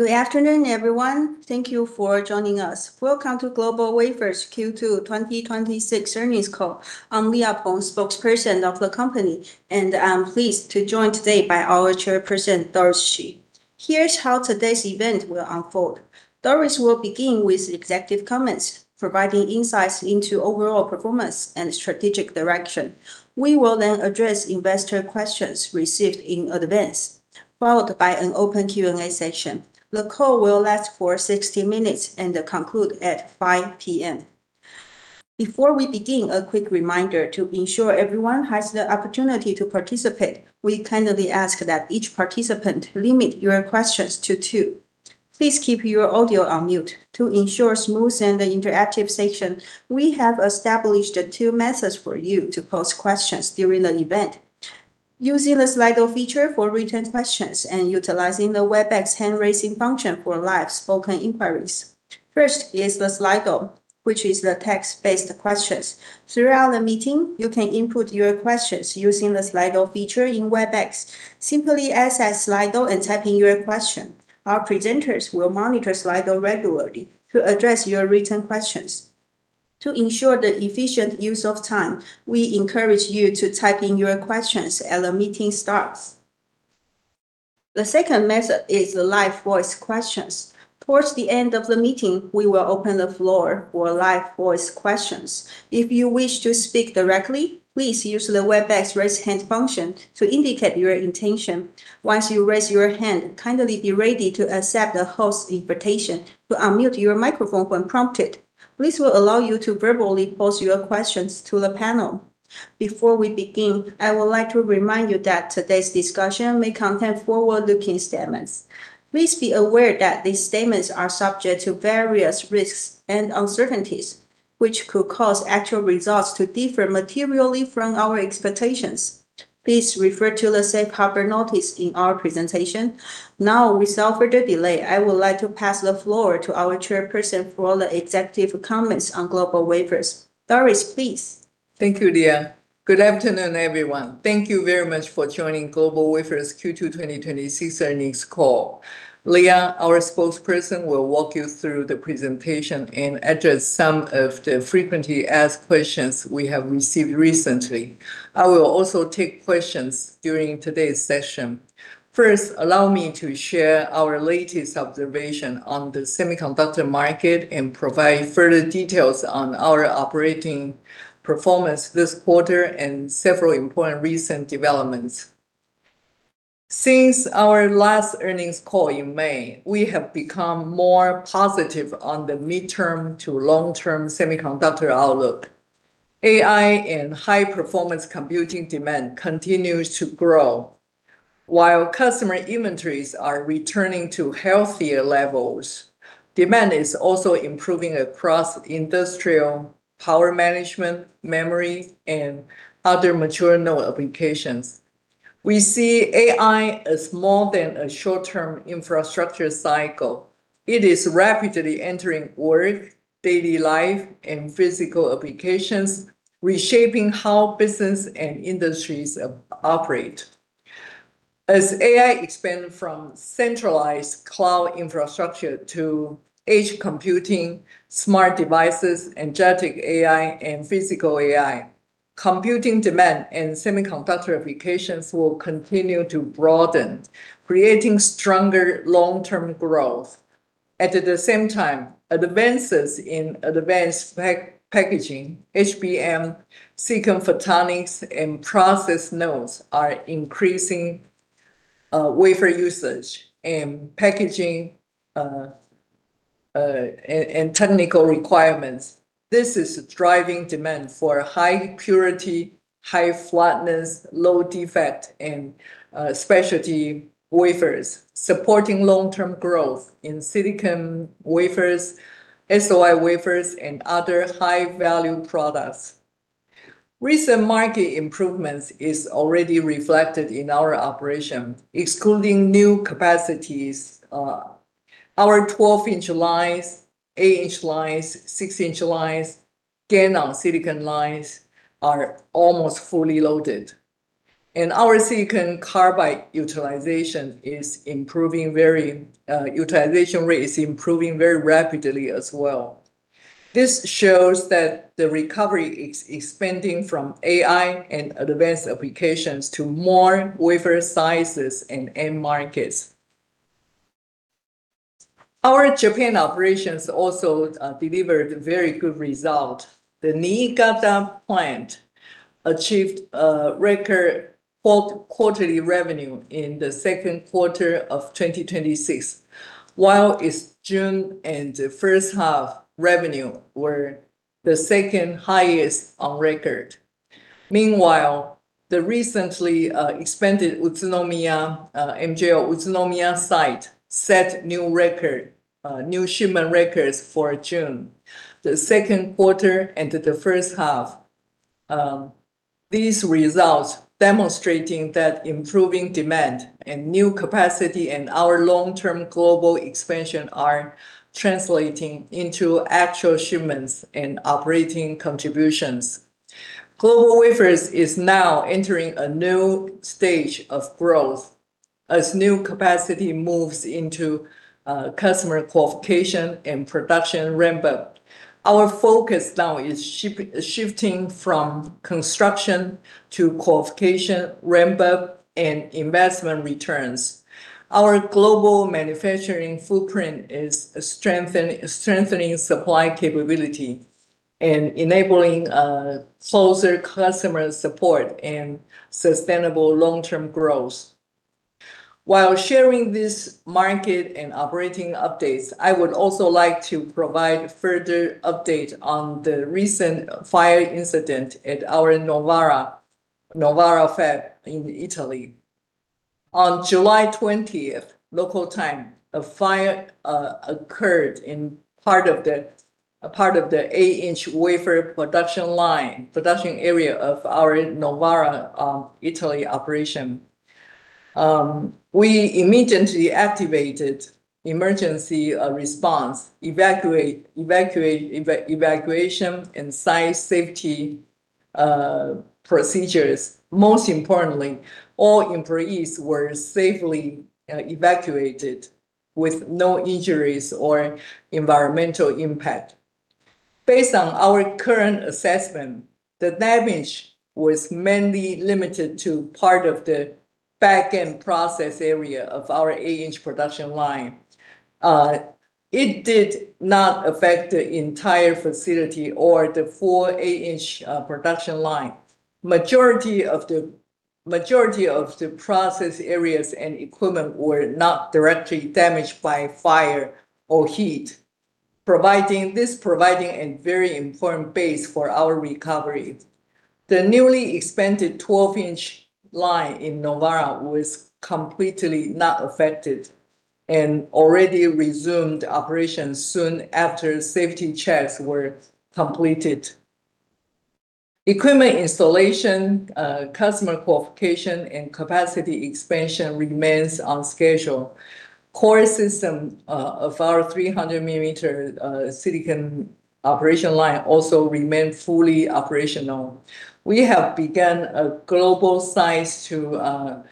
Good afternoon, everyone. Thank you for joining us. Welcome to GlobalWafers Q2 2026 earnings call. I'm Leah Peng, spokesperson of the company, and I'm pleased to be joined today by our Chairperson, Doris Hsu. Here's how today's event will unfold. Doris will begin with executive comments, providing insights into overall performance and strategic direction. We will then address investor questions received in advance, followed by an open Q&A session. The call will last for 60 minutes and conclude at 5:00 P.M. Before we begin, a quick reminder to ensure everyone has the opportunity to participate. We kindly ask that each participant limit your questions to two. Please keep your audio on mute. To ensure smooth and interactive session, we have established two methods for you to post questions during the event. Using the Slido feature for written questions and utilizing the Webex hand-raising function for live spoken inquiries. First is the Slido, which is the text-based questions. Throughout the meeting, you can input your questions using the Slido feature in Webex. Simply access Slido and type in your question. Our presenters will monitor Slido regularly to address your written questions. To ensure the efficient use of time, we encourage you to type in your questions as the meeting starts. The second method is the live voice questions. Towards the end of the meeting, we will open the floor for live voice questions. If you wish to speak directly, please use the Webex raise hand function to indicate your intention. Once you raise your hand, kindly be ready to accept the host's invitation to unmute your microphone when prompted. This will allow you to verbally pose your questions to the panel. Before we begin, I would like to remind you that today's discussion may contain forward-looking statements. Please be aware that these statements are subject to various risks and uncertainties, which could cause actual results to differ materially from our expectations. Please refer to the safe harbor notice in our presentation. Without further delay, I would like to pass the floor to our Chairperson for all the executive comments on GlobalWafers. Doris, please. Thank you, Leah. Good afternoon, everyone. Thank you very much for joining GlobalWafers' Q2 2026 earnings call. Leah, our spokesperson, will walk you through the presentation and address some of the frequently asked questions we have received recently. I will also take questions during today's session. First, allow me to share our latest observation on the semiconductor market and provide further details on our operating performance this quarter and several important recent developments. Since our last earnings call in May, we have become more positive on the midterm to long-term semiconductor outlook. AI and high-performance computing demand continues to grow while customer inventories are returning to healthier levels. Demand is also improving across industrial power management, memory, and other mature node applications. We see AI as more than a short-term infrastructure cycle. It is rapidly entering work, daily life, and physical applications, reshaping how business and industries operate. As AI expands from centralized cloud infrastructure to edge computing, smart devices, agentic AI, and physical AI, computing demand and semiconductor applications will continue to broaden, creating stronger long-term growth. At the same time, advances in advanced packaging, HBM, silicon photonics, and process nodes are increasing wafer usage and packaging and technical requirements. This is driving demand for high purity, high flatness, low defect, and specialty wafers, supporting long-term growth in silicon wafers, SOI wafers, and other high-value products. Recent market improvements is already reflected in our operation. Excluding new capacities, our 12-inch lines, 8-inch lines, 6-inch lines, GaN-on-Silicon lines are almost fully loaded, and our Silicon Carbide utilization rate is improving very rapidly as well. This shows that the recovery is expanding from AI and advanced applications to more wafer sizes and end markets. Our Japan operations also delivered very good result. The Niigata plant achieved a record quarterly revenue in the second quarter of 2026, while its June and first half revenue were the second highest on record. Meanwhile, the recently expanded MJ Utsunomiya site set new shipment records for June, the second quarter, and the first half. These results, demonstrating that improving demand and new capacity and our long-term global expansion are translating into actual shipments and operating contributions. GlobalWafers is now entering a new stage of growth. As new capacity moves into customer qualification and production ramp-up, our focus now is shifting from construction to qualification, ramp-up, and investment returns. Our global manufacturing footprint is strengthening supply capability and enabling closer customer support and sustainable long-term growth. While sharing these market and operating updates, I would also like to provide further update on the recent fire incident at our Novara fab in Italy. On July 20th, local time, a fire occurred in a part of the 8-inch wafer production line, production area of our Novara, Italy operation. We immediately activated emergency response, evacuation, and site safety procedures. Most importantly, all employees were safely evacuated with no injuries or environmental impact. Based on our current assessment, the damage was mainly limited to part of the back-end process area of our 8-inch production line. It did not affect the entire facility or the four 8-inch production line. Majority of the process areas and equipment were not directly damaged by fire or heat, providing a very important base for our recovery. The newly expanded 12-inch line in Novara was completely not affected and already resumed operations soon after safety checks were completed. Core system of our 300 mm silicon operation line also remain fully operational. We have begun a global site to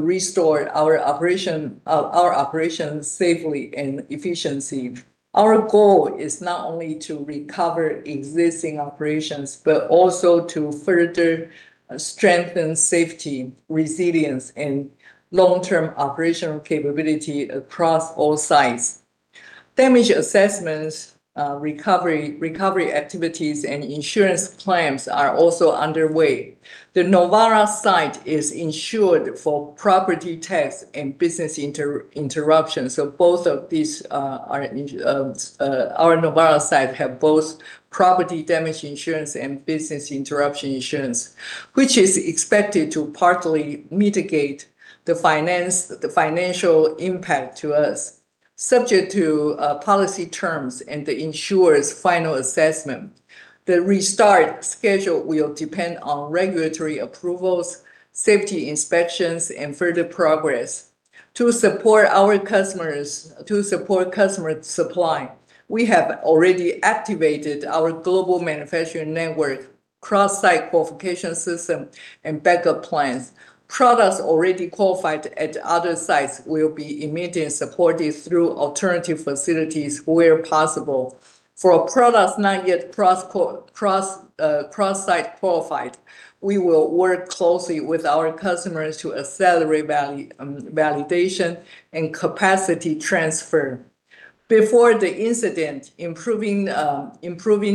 restore our operations safely and efficiency. Our goal is not only to recover existing operations, but also to further strengthen safety, resilience, and long-term operational capability across all sites. Damage assessments, recovery activities, and insurance claims are also underway. The Novara site is insured for property tax and business interruption. So our Novara site have both property damage insurance and business interruption insurance, which is expected to partly mitigate the financial impact to us, subject to policy terms and the insurer's final assessment. The restart schedule will depend on regulatory approvals, safety inspections, and further progress. To support customer supply, we have already activated our global manufacturing network, cross-site qualification system, and backup plans. Products already qualified at other sites will be immediately supported through alternative facilities where possible. For products not yet cross-site qualified, we will work closely with our customers to accelerate validation and capacity transfer. Before the incident, improving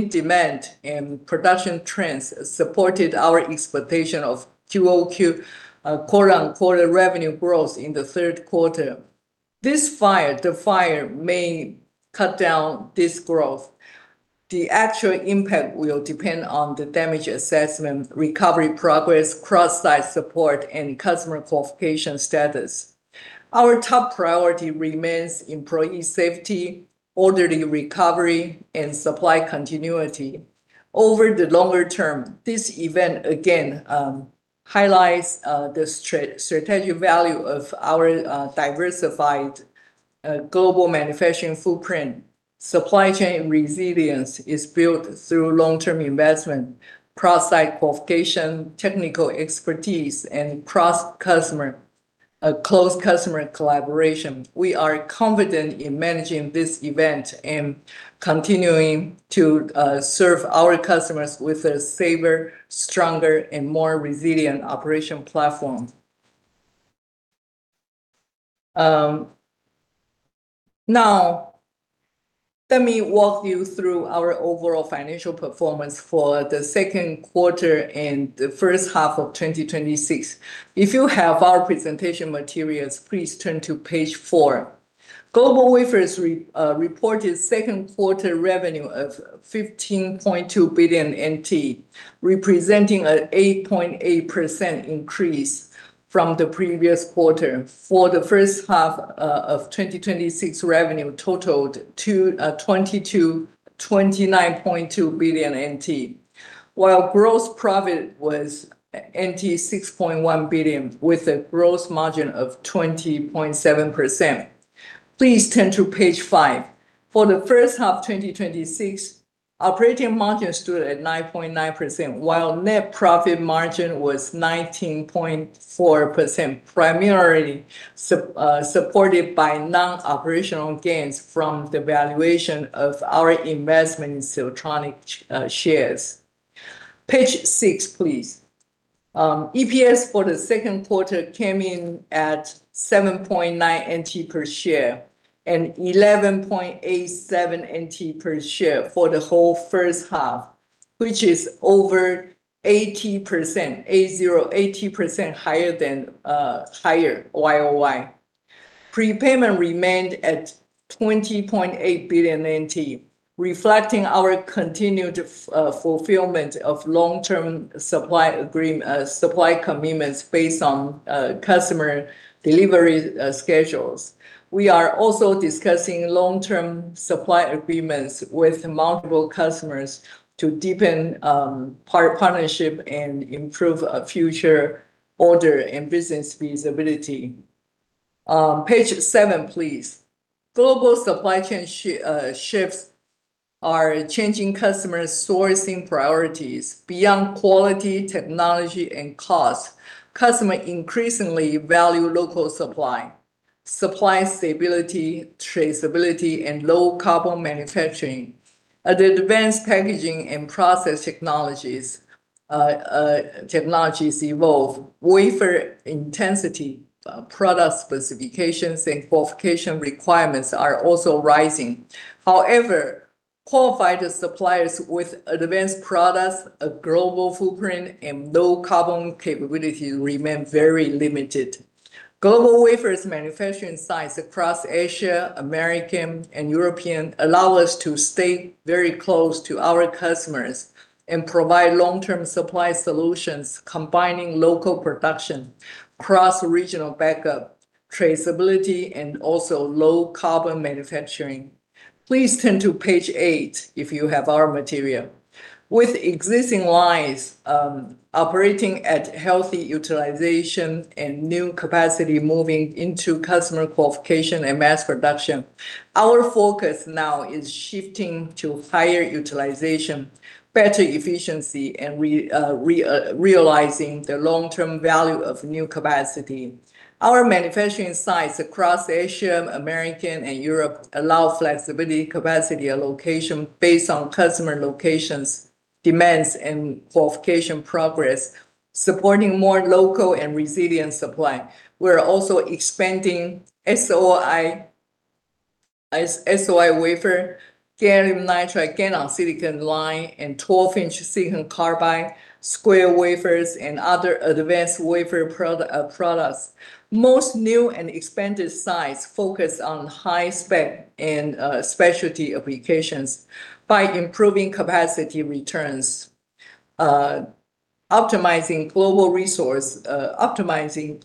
demand and production trends supported our expectation of QoQ quarter-on-quarter revenue growth in the third quarter. The fire may cut down this growth. The actual impact will depend on the damage assessment, recovery progress, cross-site support, and customer qualification status. Our top priority remains employee safety, orderly recovery, and supply continuity. Over the longer term, this event again highlights the strategic value of our diversified global manufacturing footprint. Supply chain resilience is built through long-term investment, cross-site qualification, technical expertise, and close customer collaboration. We are confident in managing this event and continuing to serve our customers with a safer, stronger, and more resilient operation platform. Now, let me walk you through our overall financial performance for the second quarter and the first half of 2026. If you have our presentation materials, please turn to page four. GlobalWafers reported second quarter revenue of 15.2 billion NT, representing an 8.8% increase from the previous quarter. For the first half of 2026, revenue totaled to 29.2 billion NT. While gross profit was 6.1 billion, with a gross margin of 20.7%. Please turn to page five. For the first half 2026, operating margin stood at 9.9%, while net profit margin was 19.4%, primarily supported by non-operational gains from the valuation of our investment in Siltronic shares. Page six, please. EPS for the second quarter came in at 7.9 NT per share and 11.87 NT per share for the whole first half, which is over 80% higher YoY. Prepayment remained at 20.8 billion NT, reflecting our continued fulfillment of long-term supply commitments based on customer delivery schedules. We are also discussing long-term supply agreements with multiple customers to deepen partnership and improve future order and business visibility. Page seven, please. Global supply chain shifts are changing customer sourcing priorities. Beyond quality, technology, and cost, customer increasingly value local supply stability, traceability, and low carbon manufacturing. As the advanced packaging and process technologies evolve, wafer intensity, product specifications, and qualification requirements are also rising. However, qualified suppliers with advanced products, a global footprint, and low carbon capabilities remain very limited. GlobalWafers manufacturing sites across Asia, America, and Europe allow us to stay very close to our customers and provide long-term supply solutions combining local production, cross-regional backup, traceability, and also low carbon manufacturing. Please turn to page eight if you have our material. With existing lines operating at healthy utilization and new capacity moving into customer qualification and mass production, our focus now is shifting to higher utilization, better efficiency, and realizing the long-term value of new capacity. Our manufacturing sites across Asia, America, and Europe allow flexibility capacity allocation based on customer locations, demands, and qualification progress, supporting more local and resilient supply. We are also expanding SOI wafer, gallium nitride, GaN-on-Silicon line, and 12-inch silicon carbide, square wafers, and other advanced wafer products. Most new and expanded sites focus on high spec and specialty applications by improving capacity returns, optimizing global resource, and upgrading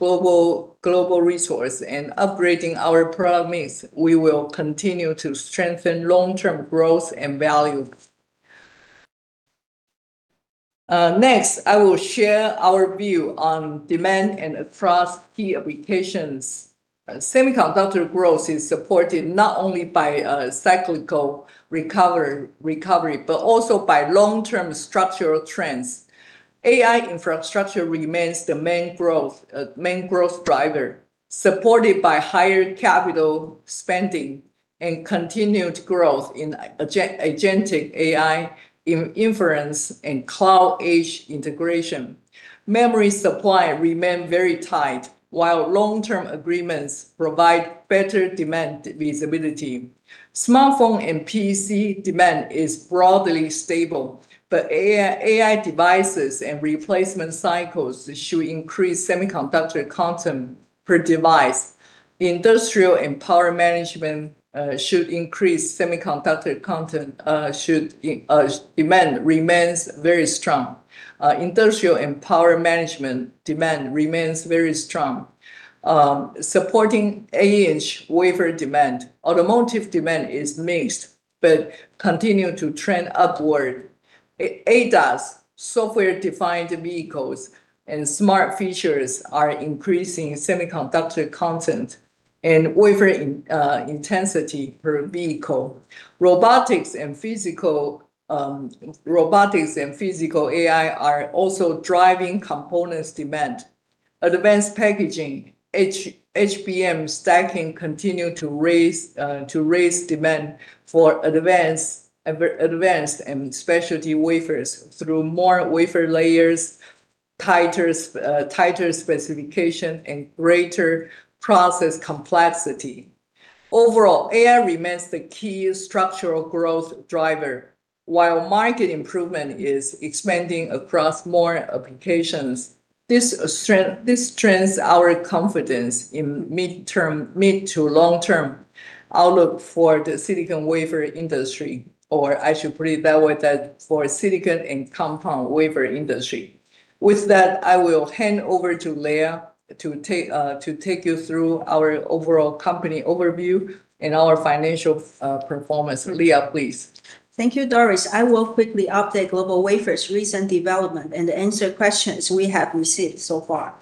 our products mix, we will continue to strengthen long-term growth and value. Next, I will share our view on demand and across key applications. Semiconductor growth is supported not only by a cyclical recovery, but also by long-term structural trends. AI infrastructure remains the main growth driver, supported by higher capital spending and continued growth in agentic AI, inference, and cloud edge integration. Memory supply remains very tight, while long-term agreements provide better demand visibility. Smartphone and PC demand is broadly stable, but AI devices and replacement cycles should increase semiconductor content per device. Industrial and power management should increase semiconductor content, demand remains very strong. Industrial and power management demand remains very strong. Supporting 8-inch wafer demand. Automotive demand is mixed but continues to trend upward. ADAS, software-defined vehicles, and smart features are increasing semiconductor content and wafer intensity per vehicle. Robotics and physical AI are also driving components demand. Advanced packaging, HBM stacking continues to raise demand for advanced and specialty wafers through more wafer layers, tighter specification, and greater process complexity. Overall, AI remains the key structural growth driver, while market improvement is expanding across more applications. This strengthens our confidence in mid- to long-term outlook for the silicon wafer industry, or I should put it that way that for silicon and compound wafer industry. With that, I will hand over to Leah to take you through our overall company overview and our financial performance. Leah, please. Thank you, Doris. I will quickly update GlobalWafers' recent development and answer questions we have received so far.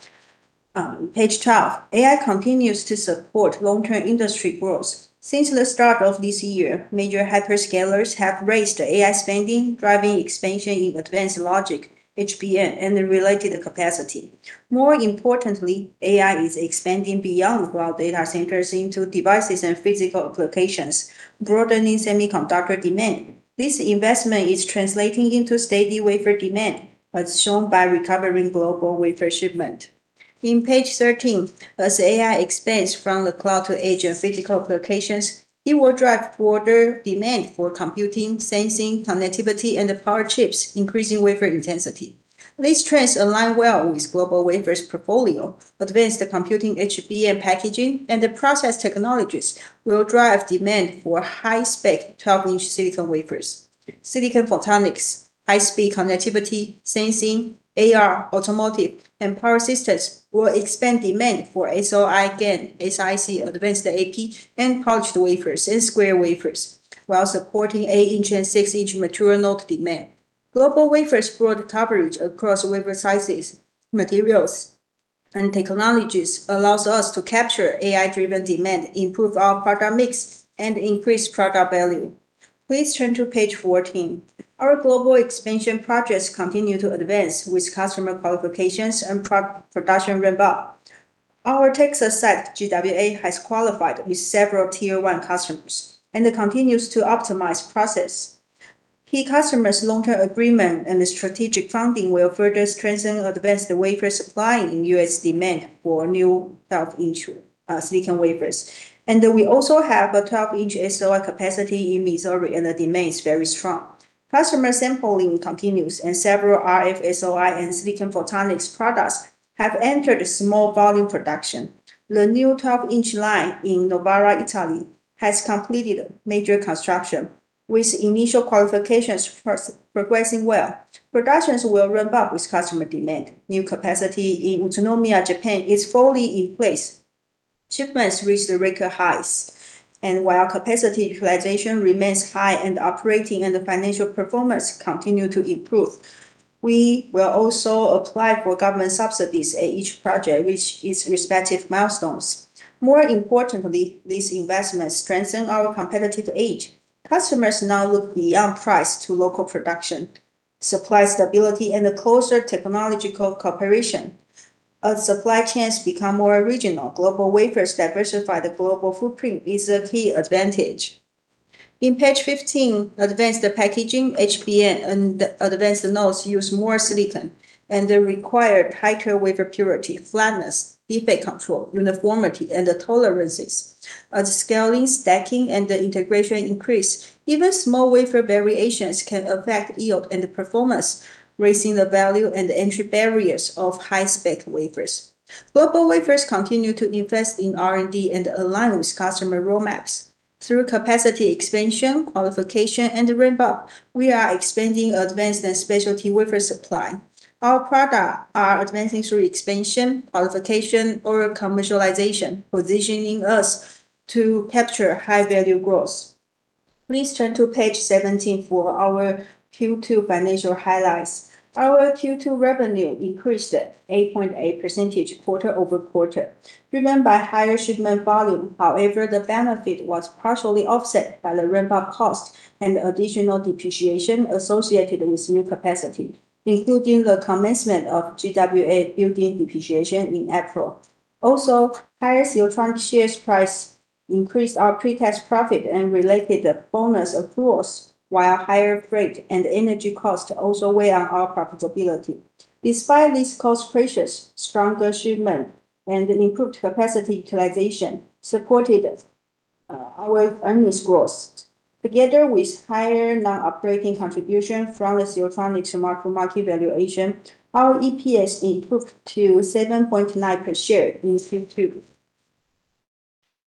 On page 12, AI continues to support long-term industry growth. Since the start of this year, major hyperscalers have raised AI spending, driving expansion in advanced logic, HBM, and related capacity. More importantly, AI is expanding beyond cloud data centers into devices and physical applications, broadening semiconductor demand. This investment is translating into steady wafer demand, as shown by recovering global wafer shipment. In page 13, as AI expands from the cloud to edge and physical locations, it will drive further demand for computing, sensing, connectivity, and power chips, increasing wafer intensity. These trends align well with GlobalWafers' portfolio. Advanced computing HBM packaging and process technologies will drive demand for high-spec 12-inch silicon wafers. Silicon photonics, high-speed connectivity, sensing, AR, automotive, and power systems will expand demand for SOI, GaN, SiC, advanced EP, polished wafers and square wafers while supporting 8-inch and 6-inch material node demand. GlobalWafers' broad coverage across wafer sizes, materials, and technologies allows us to capture AI-driven demand, improve our product mix, and increase product value. Please turn to page 14. Our global expansion projects continue to advance with customer qualifications and production ramp-up. Our Texas site, GWA, has qualified with several Tier 1 customers and continues to optimize process. Key customers' long-term agreement and strategic funding will further strengthen advanced wafer supply in U.S. demand for new 12-inch silicon wafers. We also have a 12-inch SOI capacity in Missouri, and the demand is very strong. Customer sampling continues, and several RF SOI and silicon photonics products have entered small volume production. The new 12-inch line in Novara, Italy, has completed major construction, with initial qualifications progressing well. Productions will ramp up with customer demand. New capacity in Utsunomiya, Japan, is fully in place. Shipments reached record highs. While capacity utilization remains high and operating and financial performance continue to improve, we will also apply for government subsidies at each project, which is respective milestones. More importantly, this investment strengthens our competitive edge. Customers now look beyond price to local production, supply stability, and closer technological cooperation. As supply chains become more regional, GlobalWafers' diversified global footprint is a key advantage. In page 15, advanced packaging, HBM, and advanced nodes use more silicon and require tighter wafer purity, flatness, defect control, uniformity, and tolerances. As scaling, stacking, and integration increase, even small wafer variations can affect yield and performance, raising the value and entry barriers of high-spec wafers. GlobalWafers continue to invest in R&D and align with customer roadmaps. Through capacity expansion, qualification, and ramp-up, we are expanding advanced and specialty wafer supply. Our products are advancing through expansion, qualification, or commercialization, positioning us to capture high-value growth. Please turn to page 17 for our Q2 financial highlights. Our Q2 revenue increased 8.8% quarter-over-quarter, driven by higher shipment volume. However, the benefit was partially offset by the ramp-up cost and additional depreciation associated with new capacity, including the commencement of GWA building depreciation in April. Also, higher Siltronic shares price increased our pre-tax profit and related bonus accruals, while higher freight and energy costs also weigh on our profitability. Despite these cost pressures, stronger shipment and improved capacity utilization supported our earnings growth. Together with higher non-operating contribution from the Siltronic mark-to-market valuation, our EPS improved to 7.9 per share in Q2.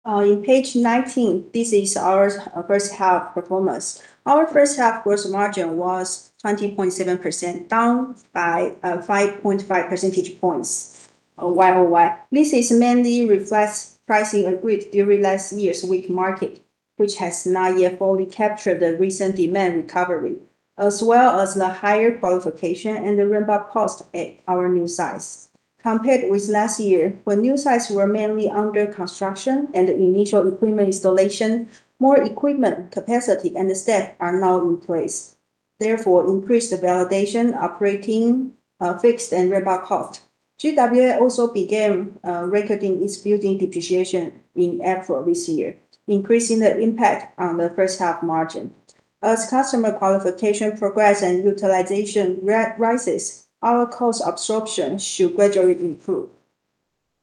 On page 19, this is our first half performance. Our first half gross margin was 20.7%, down by 5.5 percentage points YoY. This mainly reflects pricing agreed during last year's weak market, which has not yet fully captured the recent demand recovery, as well as the higher qualification and ramp-up cost at our new sites. Compared with last year, when new sites were mainly under construction and initial equipment installation, more equipment capacity and staff are now in place. Therefore, increased validation, operating, fixed, and ramp-up cost. GWA also began recording its building depreciation in April this year, increasing the impact on the first half margin. As customer qualification progress and utilization rises, our cost absorption should gradually improve.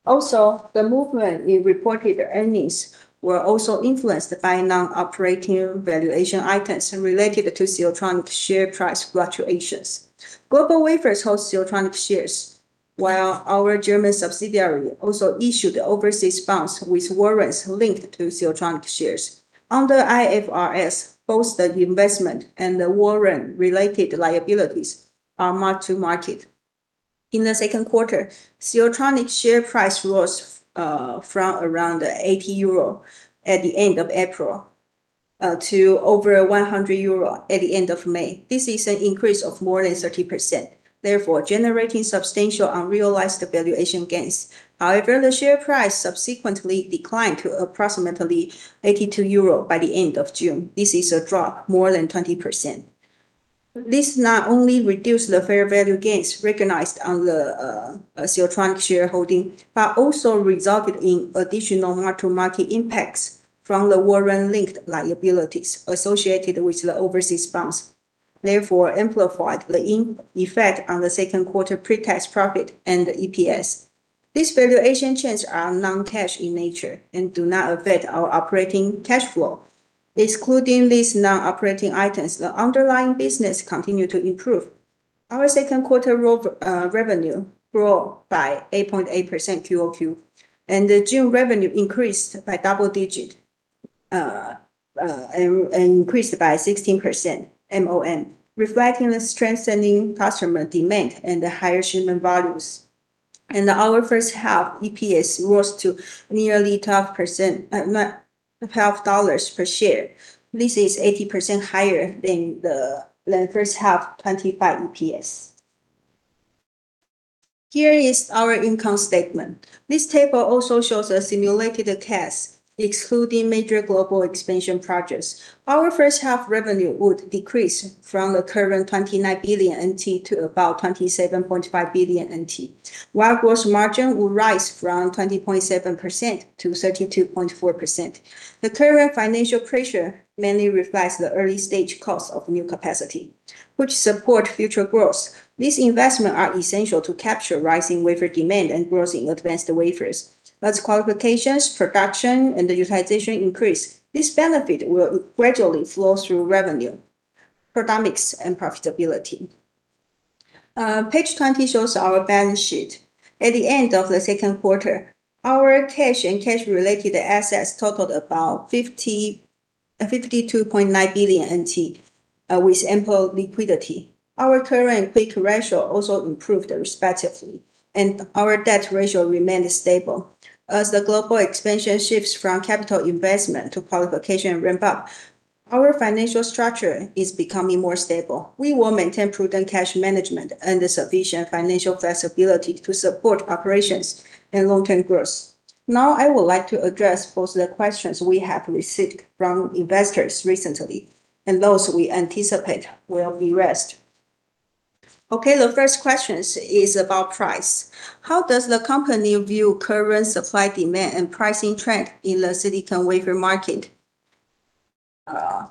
Also, the movement in reported earnings were also influenced by non-operating valuation items related to Siltronic share price fluctuations. GlobalWafers holds Siltronic shares, while our German subsidiary also issued overseas bonds with warrants linked to Siltronic shares. Under IFRS, both the investment and the warrant-related liabilities are mark-to-market. In the second quarter, Siltronic share price rose from around 80 euro at the end of April to over 100 euro at the end of May. This is an increase of more than 30%, therefore generating substantial unrealized valuation gains. However, the share price subsequently declined to approximately 82 euro by the end of June. This is a drop more than 20%. This not only reduced the fair value gains recognized on the Siltronic shareholding, but also resulted in additional mark-to-market impacts from the warrant linked liabilities associated with the overseas bonds, therefore amplified the effect on the second quarter pre-tax profit and EPS. These valuation changes are non-cash in nature and do not affect our operating cash flow. Excluding these non-operating items, the underlying business continued to improve. Our second quarter revenue grew by 8.8% QoQ, and the June revenue increased by 16% month-over-month, reflecting the strengthening customer demand and the higher shipment volumes. Our first half EPS rose to nearly 12 dollars per share. This is 80% higher than first half 2025 EPS. Here is our income statement. This table also shows a simulated test, excluding major global expansion projects. Our first half revenue would decrease from the current 29 billion NT to about 27.5 billion NT, while gross margin will rise from 20.7%-32.4%. The current financial pressure mainly reflects the early-stage cost of new capacity, which support future growth. These investments are essential to capture rising wafer demand and growth in advanced wafers. As qualifications, production, and utilization increase, this benefit will gradually flow through revenue, product mix, and profitability. Page 20 shows our balance sheet. At the end of the second quarter, our cash and cash-related assets totaled about 52.9 billion NT with ample liquidity. Our current and quick ratio also improved respectively, our debt ratio remained stable. As the global expansion shifts from capital investment to qualification ramp-up, our financial structure is becoming more stable. We will maintain prudent cash management and sufficient financial flexibility to support operations and long-term growth. Now, I would like to address both the questions we have received from investors recently and those we anticipate will be raised. Okay, the first question is about price. How does the company view current supply, demand, and pricing trend in the silicon wafer market?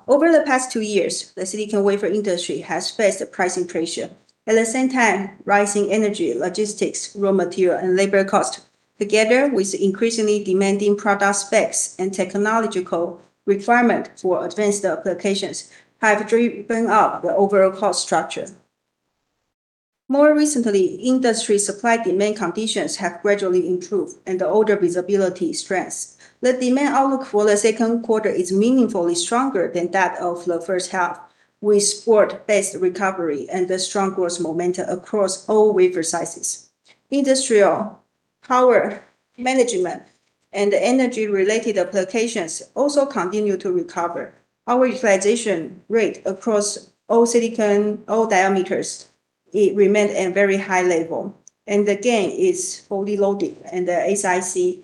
Over the past two years, the silicon wafer industry has faced pricing pressure. At the same time, rising energy, logistics, raw material, and labor cost, together with increasingly demanding product specs and technological requirement for advanced applications, have driven up the overall cost structure. More recently, industry supply-demand conditions have gradually improved, and the order visibility strengths. The demand outlook for the second quarter is meaningfully stronger than that of the first half, with broad-based recovery and a strong growth momentum across all wafer sizes. Industrial, power management, and energy-related applications also continue to recover. Our utilization rate across all silicon, all diameters, it remained at a very high level, and again, it's fully loaded, and the SiC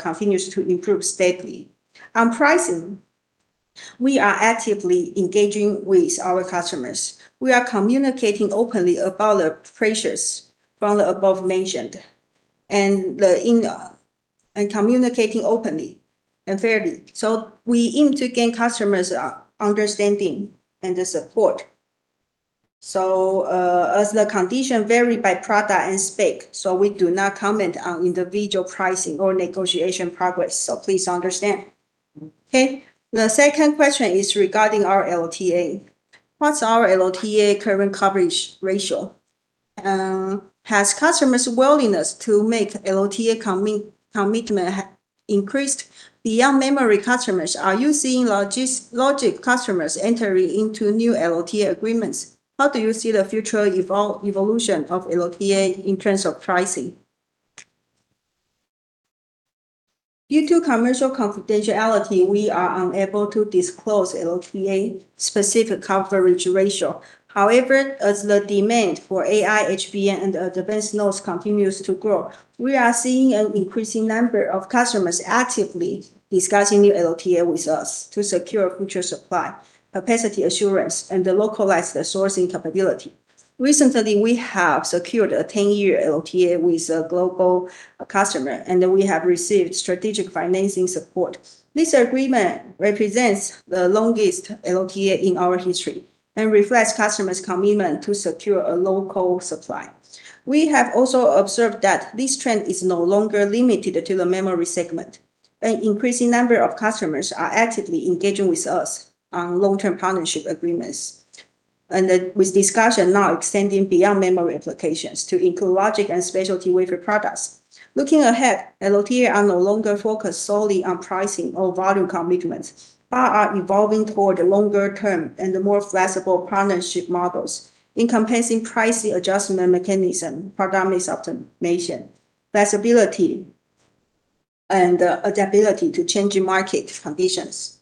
continues to improve steadily. On pricing, we are actively engaging with our customers. We are communicating openly about the pressures from the above-mentioned, and communicating openly and fairly. We aim to gain customers' understanding and support. As the condition vary by product and spec, we do not comment on individual pricing or negotiation progress, please understand. Okay, the second question is regarding our LTA. What's our LTA current coverage ratio? Has customers' willingness to make LTA commitment increased? Beyond memory customers, are you seeing logic customers entering into new LTA agreements? How do you see the future evolution of LTA in terms of pricing? Due to commercial confidentiality, we are unable to disclose LTA specific coverage ratio. However, as the demand for AI, HBM, and advanced nodes continues to grow, we are seeing an increasing number of customers actively discussing new LTA with us to secure future supply, capacity assurance, and localized sourcing capability. Recently, we have secured a 10-year LTA with a global customer, and we have received strategic financing support. This agreement represents the longest LTA in our history and reflects customers' commitment to secure a local supply. We have also observed that this trend is no longer limited to the memory segment. An increasing number of customers are actively engaging with us on long-term partnership agreements, with discussion now extending beyond memory applications to include logic and specialty wafer products. Looking ahead, LTAs are no longer focused solely on pricing or volume commitments, but are evolving toward longer-term and more flexible partnership models, encompassing pricing adjustment mechanism, product mix optimization, flexibility and adaptability to changing market conditions.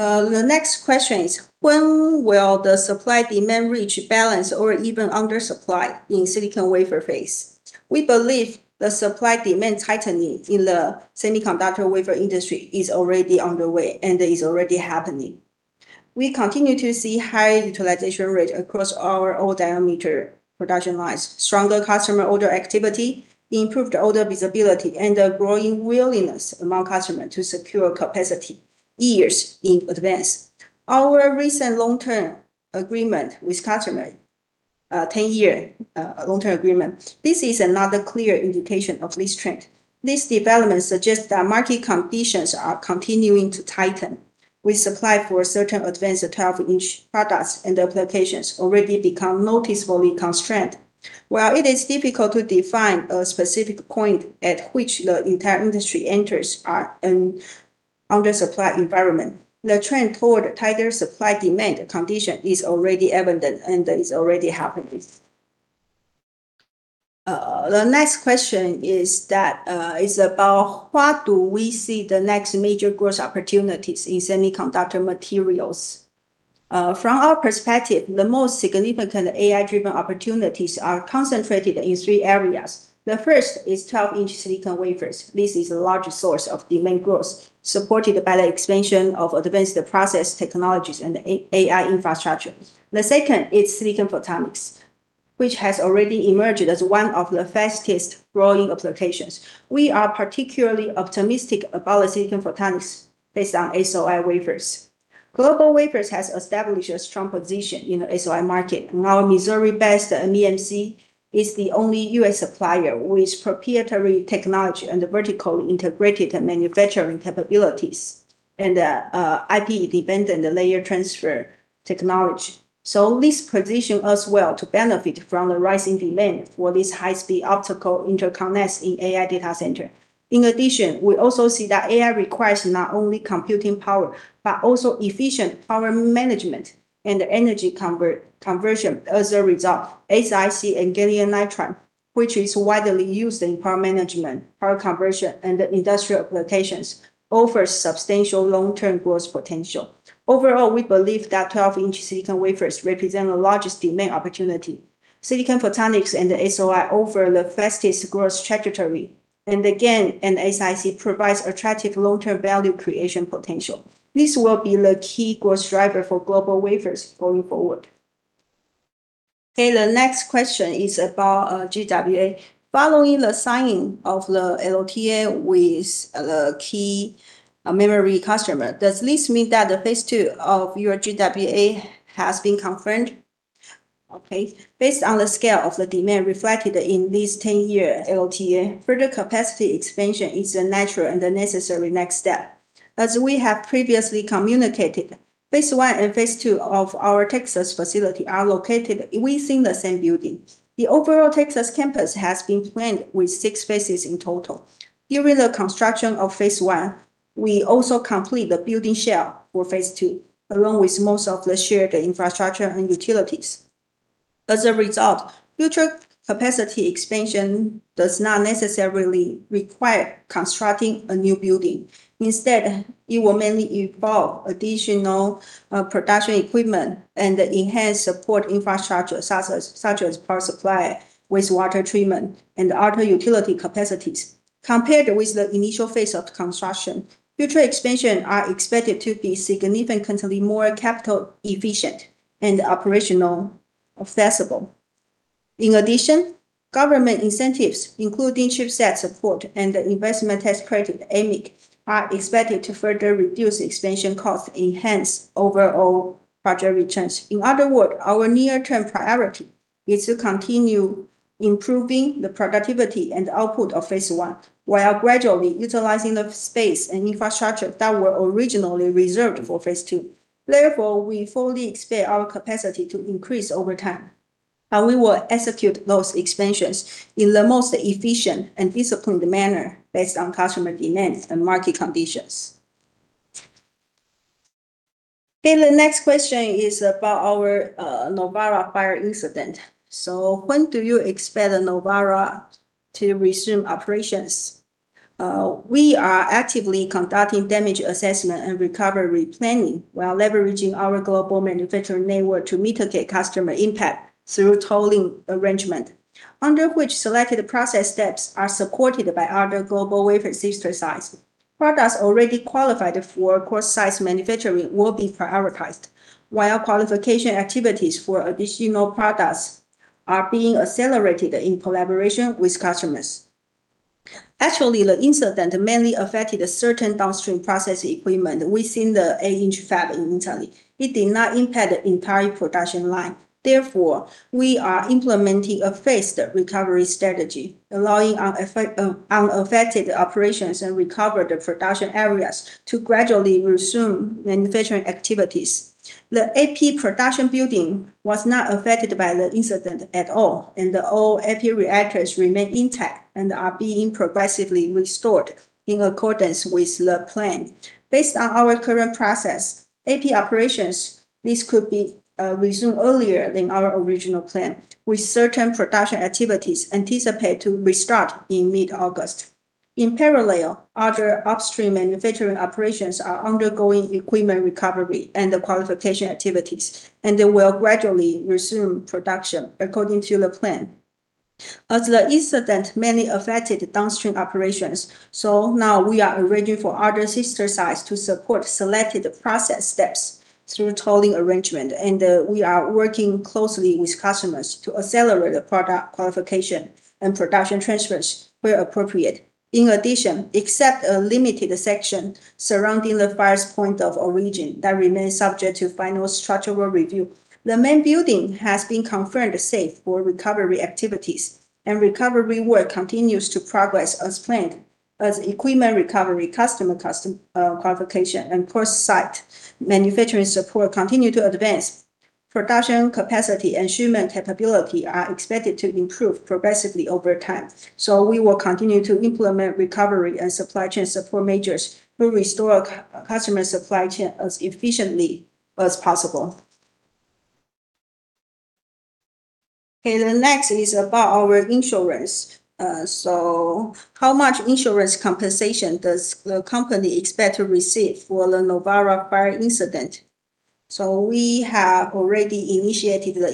The next question is, when will the supply-demand reach balance or even undersupply in silicon wafer phase? We believe the supply-demand tightening in the semiconductor wafer industry is already underway and is already happening. We continue to see high utilization rate across our old diameter production lines, stronger customer order activity, improved order visibility, and a growing willingness among customers to secure capacity years in advance. Our recent long-term agreement with customer, 10-year long-term agreement, this is another clear indication of this trend. This development suggests that market conditions are continuing to tighten, with supply for certain advanced 12-inch products and applications already become noticeably constrained. While it is difficult to define a specific point at which the entire industry enters an undersupply environment, the trend toward tighter supply-demand condition is already evident and is already happening. The next question is about, where do we see the next major growth opportunities in semiconductor materials? From our perspective, the most significant AI-driven opportunities are concentrated in three areas. The first is 12-inch silicon wafers. This is the largest source of demand growth, supported by the expansion of advanced process technologies and AI infrastructure. The second is silicon photonics, which has already emerged as one of the fastest-growing applications. We are particularly optimistic about silicon photonics based on SOI wafers. GlobalWafers has established a strong position in the SOI market. Our Missouri-based MEMC is the only U.S. supplier with proprietary technology and vertical integrated manufacturing capabilities, and IP-dependent layer transfer technology. This positions us well to benefit from the rising demand for this high-speed optical interconnects in AI data center. In addition, we also see that AI requires not only computing power, but also efficient power management and energy conversion. As a result, SiC and gallium nitride, which is widely used in power management, power conversion, and industrial applications, offers substantial long-term growth potential. Overall, we believe that 12-inch silicon wafers represent the largest demand opportunity. Silicon photonics and SOI offer the fastest growth trajectory, and again, and SiC provides attractive long-term value creation potential. This will be the key growth driver for GlobalWafers going forward. The next question is about GWA. Following the signing of the LTA with a key memory customer, does this mean that the phase 2 of your GWA has been confirmed? Based on the scale of the demand reflected in this 10-year LTA, further capacity expansion is a natural and a necessary next step. As we have previously communicated, phase 1 and phase 2 of our Texas facility are located within the same building. The overall Texas campus has been planned with six phases in total. During the construction of phase 1, we also completed the building shell for phase 2, along with most of the shared infrastructure and utilities. As a result, future capacity expansion does not necessarily require constructing a new building. Instead, it will mainly involve additional production equipment and enhanced support infrastructure, such as power supply, wastewater treatment, and other utility capacities. Compared with the initial phase of the construction, future expansion are expected to be significantly more capital efficient and operationally flexible. Government incentives, including CHIPS Act support and the investment tax credit, AMIC, are expected to further reduce expansion costs, enhance overall project returns. In other words, our near-term priority is to continue improving the productivity and output of phase 1, while gradually utilizing the space and infrastructure that were originally reserved for phase 2. Therefore, we fully expect our capacity to increase over time, but we will execute those expansions in the most efficient and disciplined manner based on customer demands and market conditions. The next question is about our Novara fire incident. When do you expect Novara to resume operations? We are actively conducting damage assessment and recovery planning while leveraging our global manufacturing network to mitigate customer impact through tolling arrangement, under which selected process steps are supported by other GlobalWafers' sister sites. Products already qualified for core site manufacturing will be prioritized, while qualification activities for additional products are being accelerated in collaboration with customers. The incident mainly affected certain downstream process equipment within the 8-inch fab in Italy. It did not impact the entire production line. Therefore, we are implementing a phased recovery strategy, allowing unaffected operations and recovered production areas to gradually resume manufacturing activities. The EP production building was not affected by the incident at all, and all EP reactors remain intact and are being progressively restored in accordance with the plan. Based on our current process, EP operations, this could be resumed earlier than our original plan, with certain production activities anticipated to restart in mid-August. In parallel, other upstream manufacturing operations are undergoing equipment recovery and the qualification activities, and they will gradually resume production according to the plan. As the incident mainly affected downstream operations, now we are arranging for other sister sites to support selected process steps through tolling arrangement, and we are working closely with customers to accelerate the product qualification and production transfers where appropriate. In addition, except a limited section surrounding the fire's point of origin that remains subject to final structural review, the main building has been confirmed safe for recovery activities, and recovery work continues to progress as planned. As equipment recovery, customer qualification, and cross-site manufacturing support continue to advance, production capacity and shipment capability are expected to improve progressively over time. We will continue to implement recovery and supply chain support measures to restore customer supply chain as efficiently as possible. The next is about our insurance. How much insurance compensation does the company expect to receive for the Novara fire incident? We have already initiated the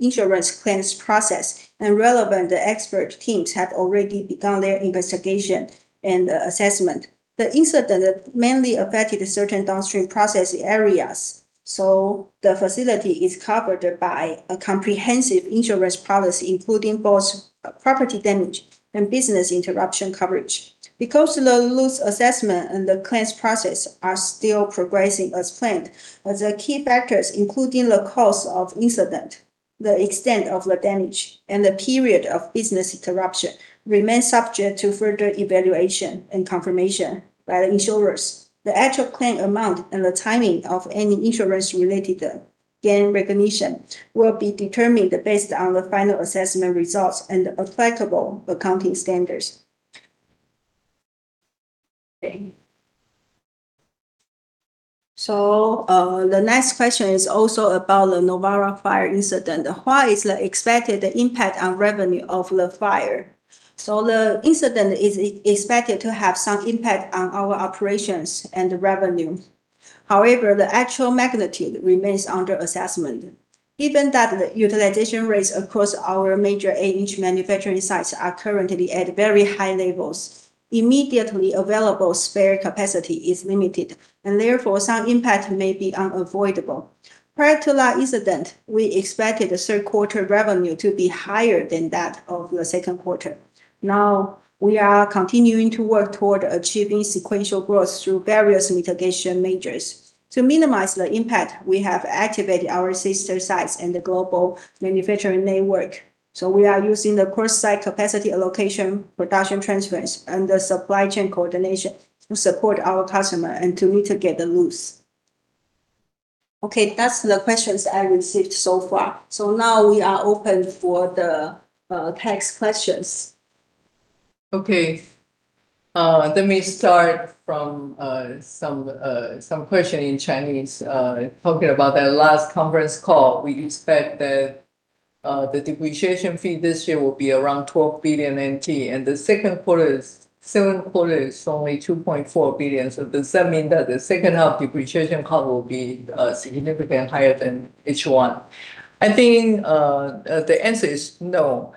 insurance claims process, and relevant expert teams have already begun their investigation and assessment. The incident mainly affected certain downstream processing areas, the facility is covered by a comprehensive insurance policy, including both property damage and business interruption coverage. Because the loss assessment and the claims process are still progressing as planned, the key factors, including the cause of incident, the extent of the damage, and the period of business interruption, remain subject to further evaluation and confirmation by the insurers. The actual claim amount and the timing of any insurance-related gain recognition will be determined based on the final assessment results and applicable accounting standards. The next question is also about the Novara fire incident. What is the expected impact on revenue of the fire? The incident is expected to have some impact on our operations and revenue. However, the actual magnitude remains under assessment. Given that the utilization rates across our major 8-inch manufacturing sites are currently at very high levels, immediately available spare capacity is limited, and therefore some impact may be unavoidable. Prior to the incident, we expected the third quarter revenue to be higher than that of the second quarter. Now, we are continuing to work toward achieving sequential growth through various mitigation measures. To minimize the impact, we have activated our sister sites in the global manufacturing network. We are using the cross-site capacity allocation, production transfers, and the supply chain coordination to support our customer and to mitigate the loss. That's the questions I received so far. Now we are open for the text questions. Let me start from some question in Chinese, talking about that last conference call. We expect that the depreciation fee this year will be around 12 billion NT, and the second quarter is only 2.4 billion. Does that mean that the second half depreciation cost will be significantly higher than H1? I think the answer is no,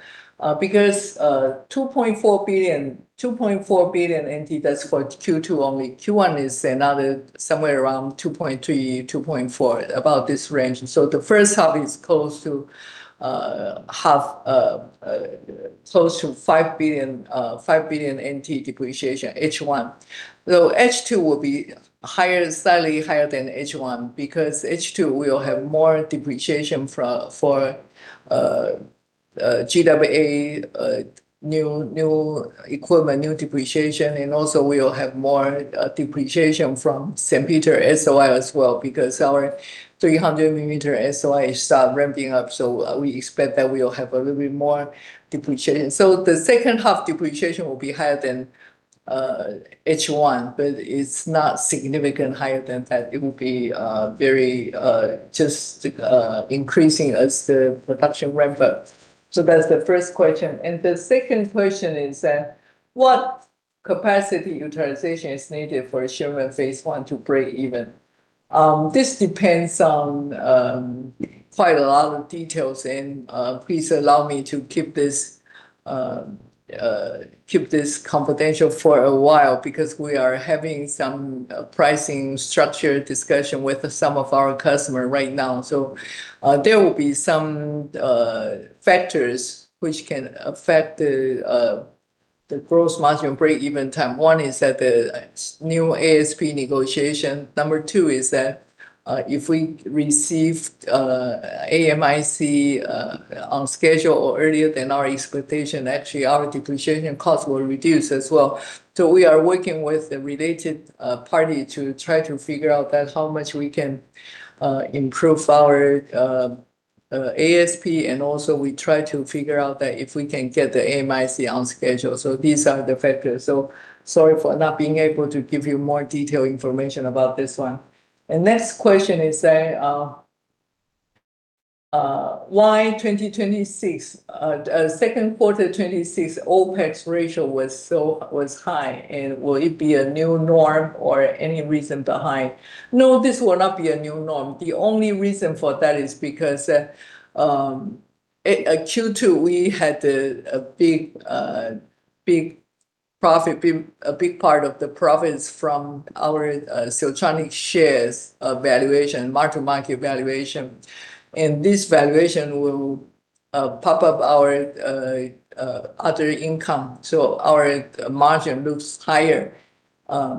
because 2.4 billion, that's for Q2 only. Q1 is another, somewhere around 2.3 billion, 2.4 billion, about this range. The first half is close to 5 billion depreciation, H1. H2 will be slightly higher than H1 because H2 will have more depreciation for GWA new equipment, new depreciation. And also, we will have more depreciation from St. Peters SOI as well, because our 300 mm SOI start ramping up. We expect that we will have a little bit more depreciation. The second half depreciation will be higher than H1, but it's not significantly higher than that. It will be just increasing as the production ramp up. That's the first question. The second question is that what capacity utilization is needed for Sherman Phase 1 to break even? This depends on quite a lot of details, and please allow me to keep this confidential for a while because we are having some pricing structure discussion with some of our customers right now. There will be some factors which can affect the gross margin break-even time. One is that the new ASP negotiation. Number two is that if we receive AMIC on schedule or earlier than our expectation, actually our depreciation cost will reduce as well. We are working with the related party to try to figure out how much we can improve our ASP, and also we try to figure out if we can get the AMIC on schedule. These are the factors. Sorry for not being able to give you more detailed information about this one. Next question is Why in the second quarter of 2026 was the OpEx ratio so high, and will it be a new norm? Is there any reason behind it? This will not be a new norm. The only reason for that is because in Q2, we had a big part of the profits from our Siltronic shares valuation, mark-to-market valuation. This valuation will pop up our other income. Our margin looks higher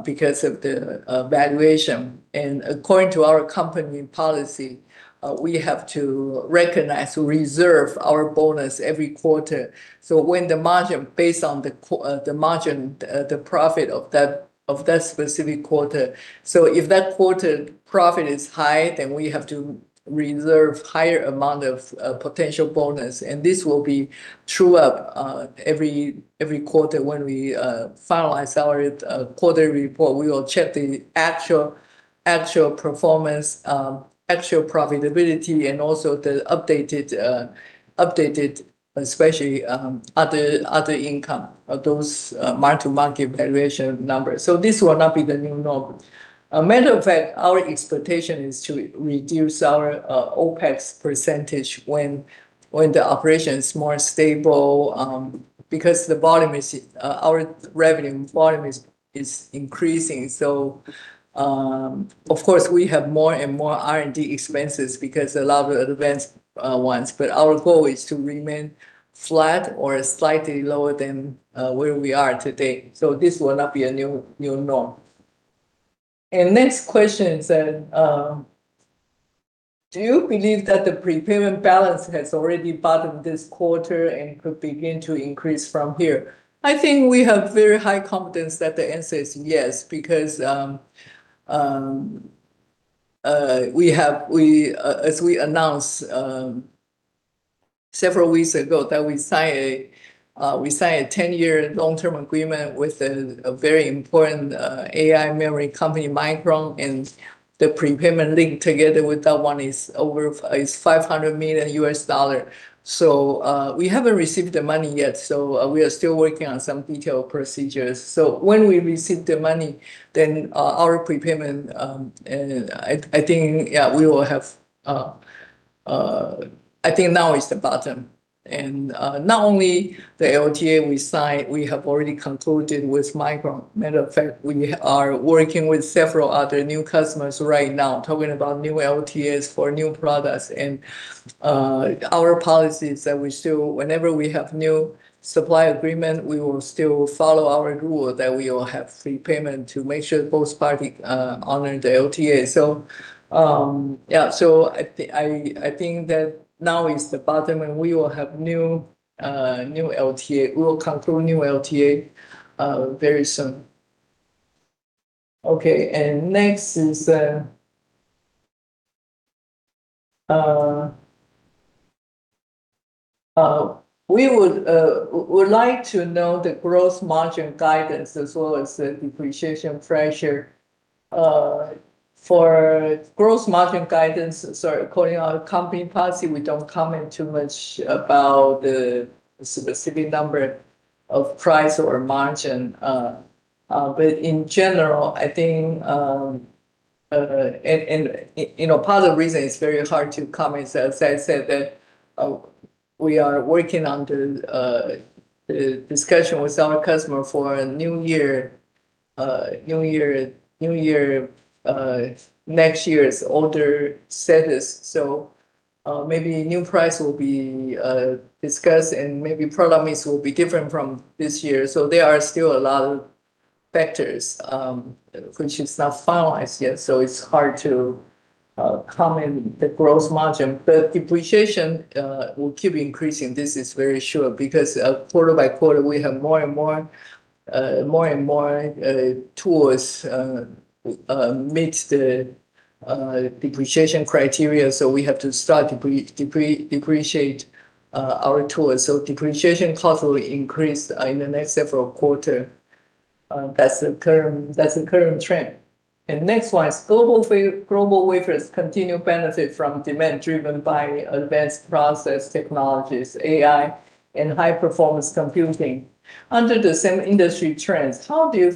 because of the valuation. According to our company policy, we have to recognize or reserve our bonus every quarter, based on the margin, the profit of that specific quarter. If that quarter profit is high, then we have to reserve a higher amount of potential bonus. This will be true every quarter when we finalize our quarterly report. We will check the actual performance, actual profitability, and also the updated, especially other income of those mark-to-market valuation numbers. This will not be the new norm. Matter of fact, our expectation is to reduce our OpEx percentage when the operation is more stable, because our revenue volume is increasing. Of course, we have more and more R&D expenses because a lot of advanced ones, but our goal is to remain flat or slightly lower than where we are today. This will not be a new norm. Next question said, "Do you believe that the prepayment balance has already bottomed this quarter and could begin to increase from here?" I think we have very high confidence that the answer is yes, because, as we announced several weeks ago, we signed a 10-year long-term agreement with a very important AI memory company, Micron, and the prepayment linked together with that one is $500 million. We haven't received the money yet, we are still working on some detailed procedures. When we receive the money, then our prepayment, I think now is the bottom. Not only the LTA we signed, we have already concluded with Micron. Matter of fact, we are working with several other new customers right now, talking about new LTAs for new products. Our policy is that whenever we have new supply agreement, we will still follow our rule that we will have prepayment to make sure both parties honor the LTA. Yeah, I think that now is the bottom, we will conclude new LTA very soon. Next is, "We would like to know the gross margin guidance as well as the depreciation pressure." For gross margin guidance, sorry, according to our company policy, we don't comment too much about the specific number of price or margin. In general, I think, part of the reason it's very hard to comment, as I said, that we are working on the discussion with our customer for next year's order status. Maybe a new price will be discussed. Maybe product mix will be different from this year. There are still a lot of factors, which is not finalized yet, so it's hard to comment the gross margin. But depreciation will keep increasing, this is very sure, because quarter-by-quarter, we have more and more tools that meet the depreciation criteria, so we have to start to depreciate our tools. Depreciation cost will increase in the next several quarter. That's the current trend. Next one is, "GlobalWafers continue benefit from demand driven by advanced process technologies, AI, and high-performance computing. Under the same industry trends, how do you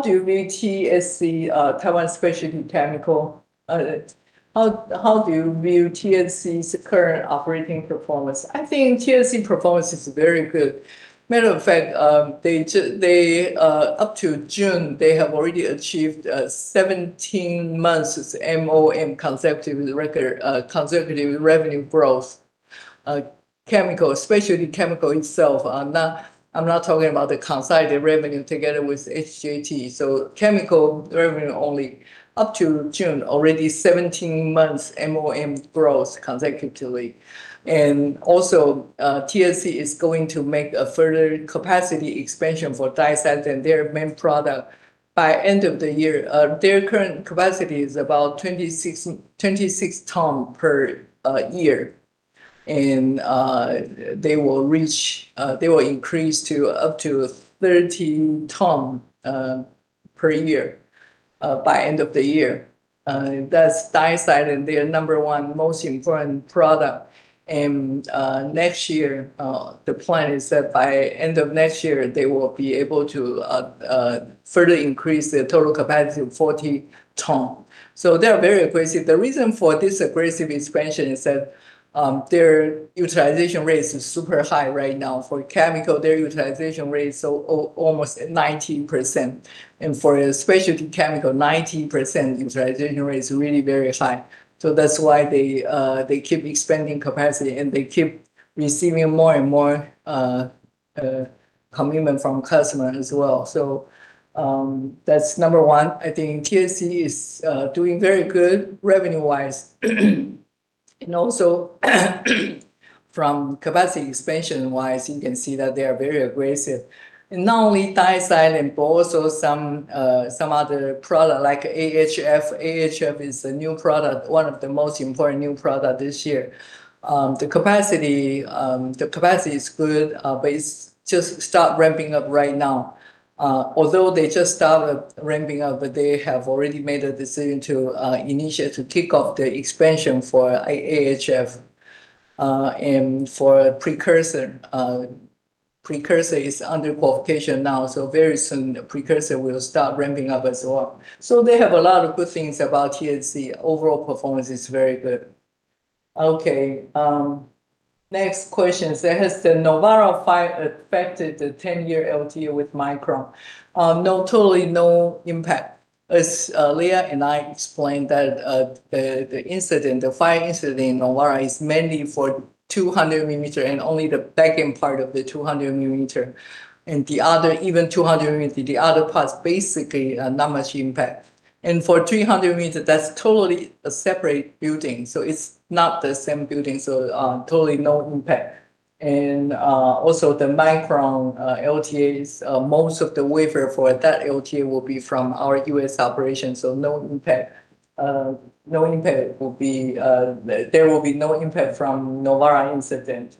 view TSC, Taiwan Specialty Chemicals, how do you view TSC's current operating performance?" I think TSC performance is very good. Matter of fact, up to June, they have already achieved 17 months MOM consecutive revenue growth. Especially chemical itself. I'm not talking about the consolidated revenue together with SJT. Chemical revenue, only up to June, already 17 months MOM growth consecutively. Also, TSC is going to make a further capacity expansion for disilane, their main product, by end of the year. Their current capacity is about 26 ton per year. They will increase to up to 30 ton per year by end of the year. That's disilane, their number one most important product. The plan is that by end of next year, they will be able to further increase their total capacity of 40 ton. They're very aggressive. The reason for this aggressive expansion is that their utilization rates is super high right now. For chemical, their utilization rate is almost at 90%, and for a specialty chemical, 90% utilization rate is really very high. That's why they keep expanding capacity, and they keep receiving more and more commitment from customer as well. That's number one. I think TSC is doing very good revenue-wise. Also from capacity expansion-wise, you can see that they are very aggressive. Not only disilane, but also some other product, like AHF. AHF is a new product, one of the most important new product this year. The capacity is good, but it's just start ramping up right now. Although they just started ramping up, but they have already made a decision to initiate, to kick off the expansion for AHF. For precursor is under qualification now. Very soon the precursor will start ramping up as well. They have a lot of good things about TSC. Overall performance is very good. Okay, next question. Has the Novara fire affected the 10-year LT with Micron?" No, totally no impact. As Leah and I explained that the fire incident in Novara is mainly for 200 mm and only the back-end part of the 200 mm, and even 200 mm, the other parts, basically, not much impact. For 300 mm, that's totally a separate building, so it's not the same building. Totally no impact. Also the Micron LTAs, most of the wafer for that LTA will be from our U.S. operation, so there will be no impact from Novara incident.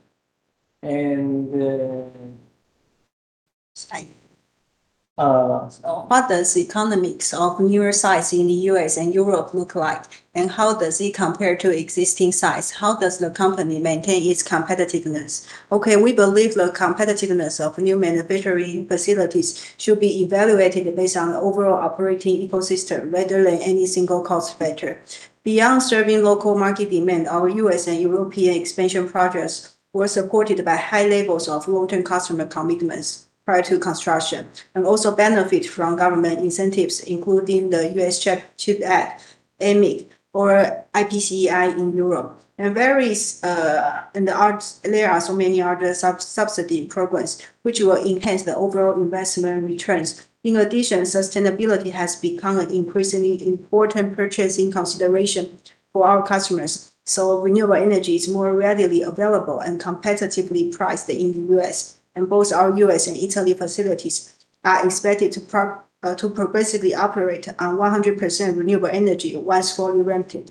What does economics of newer sites in the U.S. and Europe look like, and how does it compare to existing sites? How does the company maintain its competitiveness? Okay, we believe the competitiveness of new manufacturing facilities should be evaluated based on the overall operating ecosystem, rather than any single cost factor. Beyond serving local market demand, our U.S. and European expansion projects were supported by high levels of long-term customer commitments prior to construction, also benefit from government incentives, including the U.S. CHIPS Act, AMIC, or IPCEI in Europe. There are so many other subsidy programs, which will enhance the overall investment returns. In addition, sustainability has become an increasingly important purchasing consideration for our customers. Renewable energy is more readily available and competitively priced in the U.S., and both our U.S. and Italy facilities are expected to progressively operate on 100% renewable energy once fully ramped.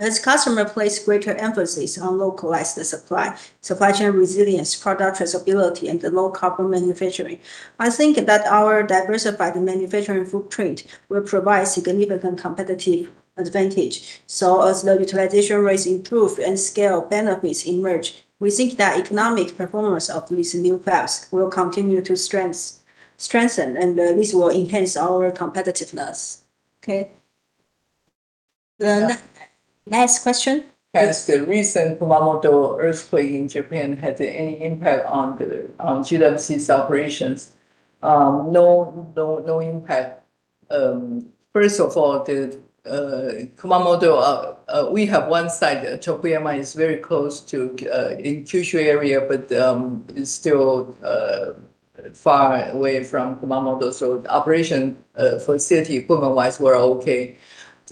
As customers place greater emphasis on localized supply chain resilience, product traceability, and low carbon manufacturing, I think that our diversified manufacturing footprint will provide significant competitive advantage. As the utilization rates improve and scale benefits emerge, we think that economic performance of these new fabs will continue to strengthen, and this will enhance our competitiveness. Okay. The next question. Has the recent Kumamoto earthquake in Japan had any impact on GWC's operations?" No impact. First of all, Kumamoto, we have one site, Tokuyama, is very close to Kyushu area, but is still far away from Kumamoto. The operation for city Kumamoto wise, we're okay.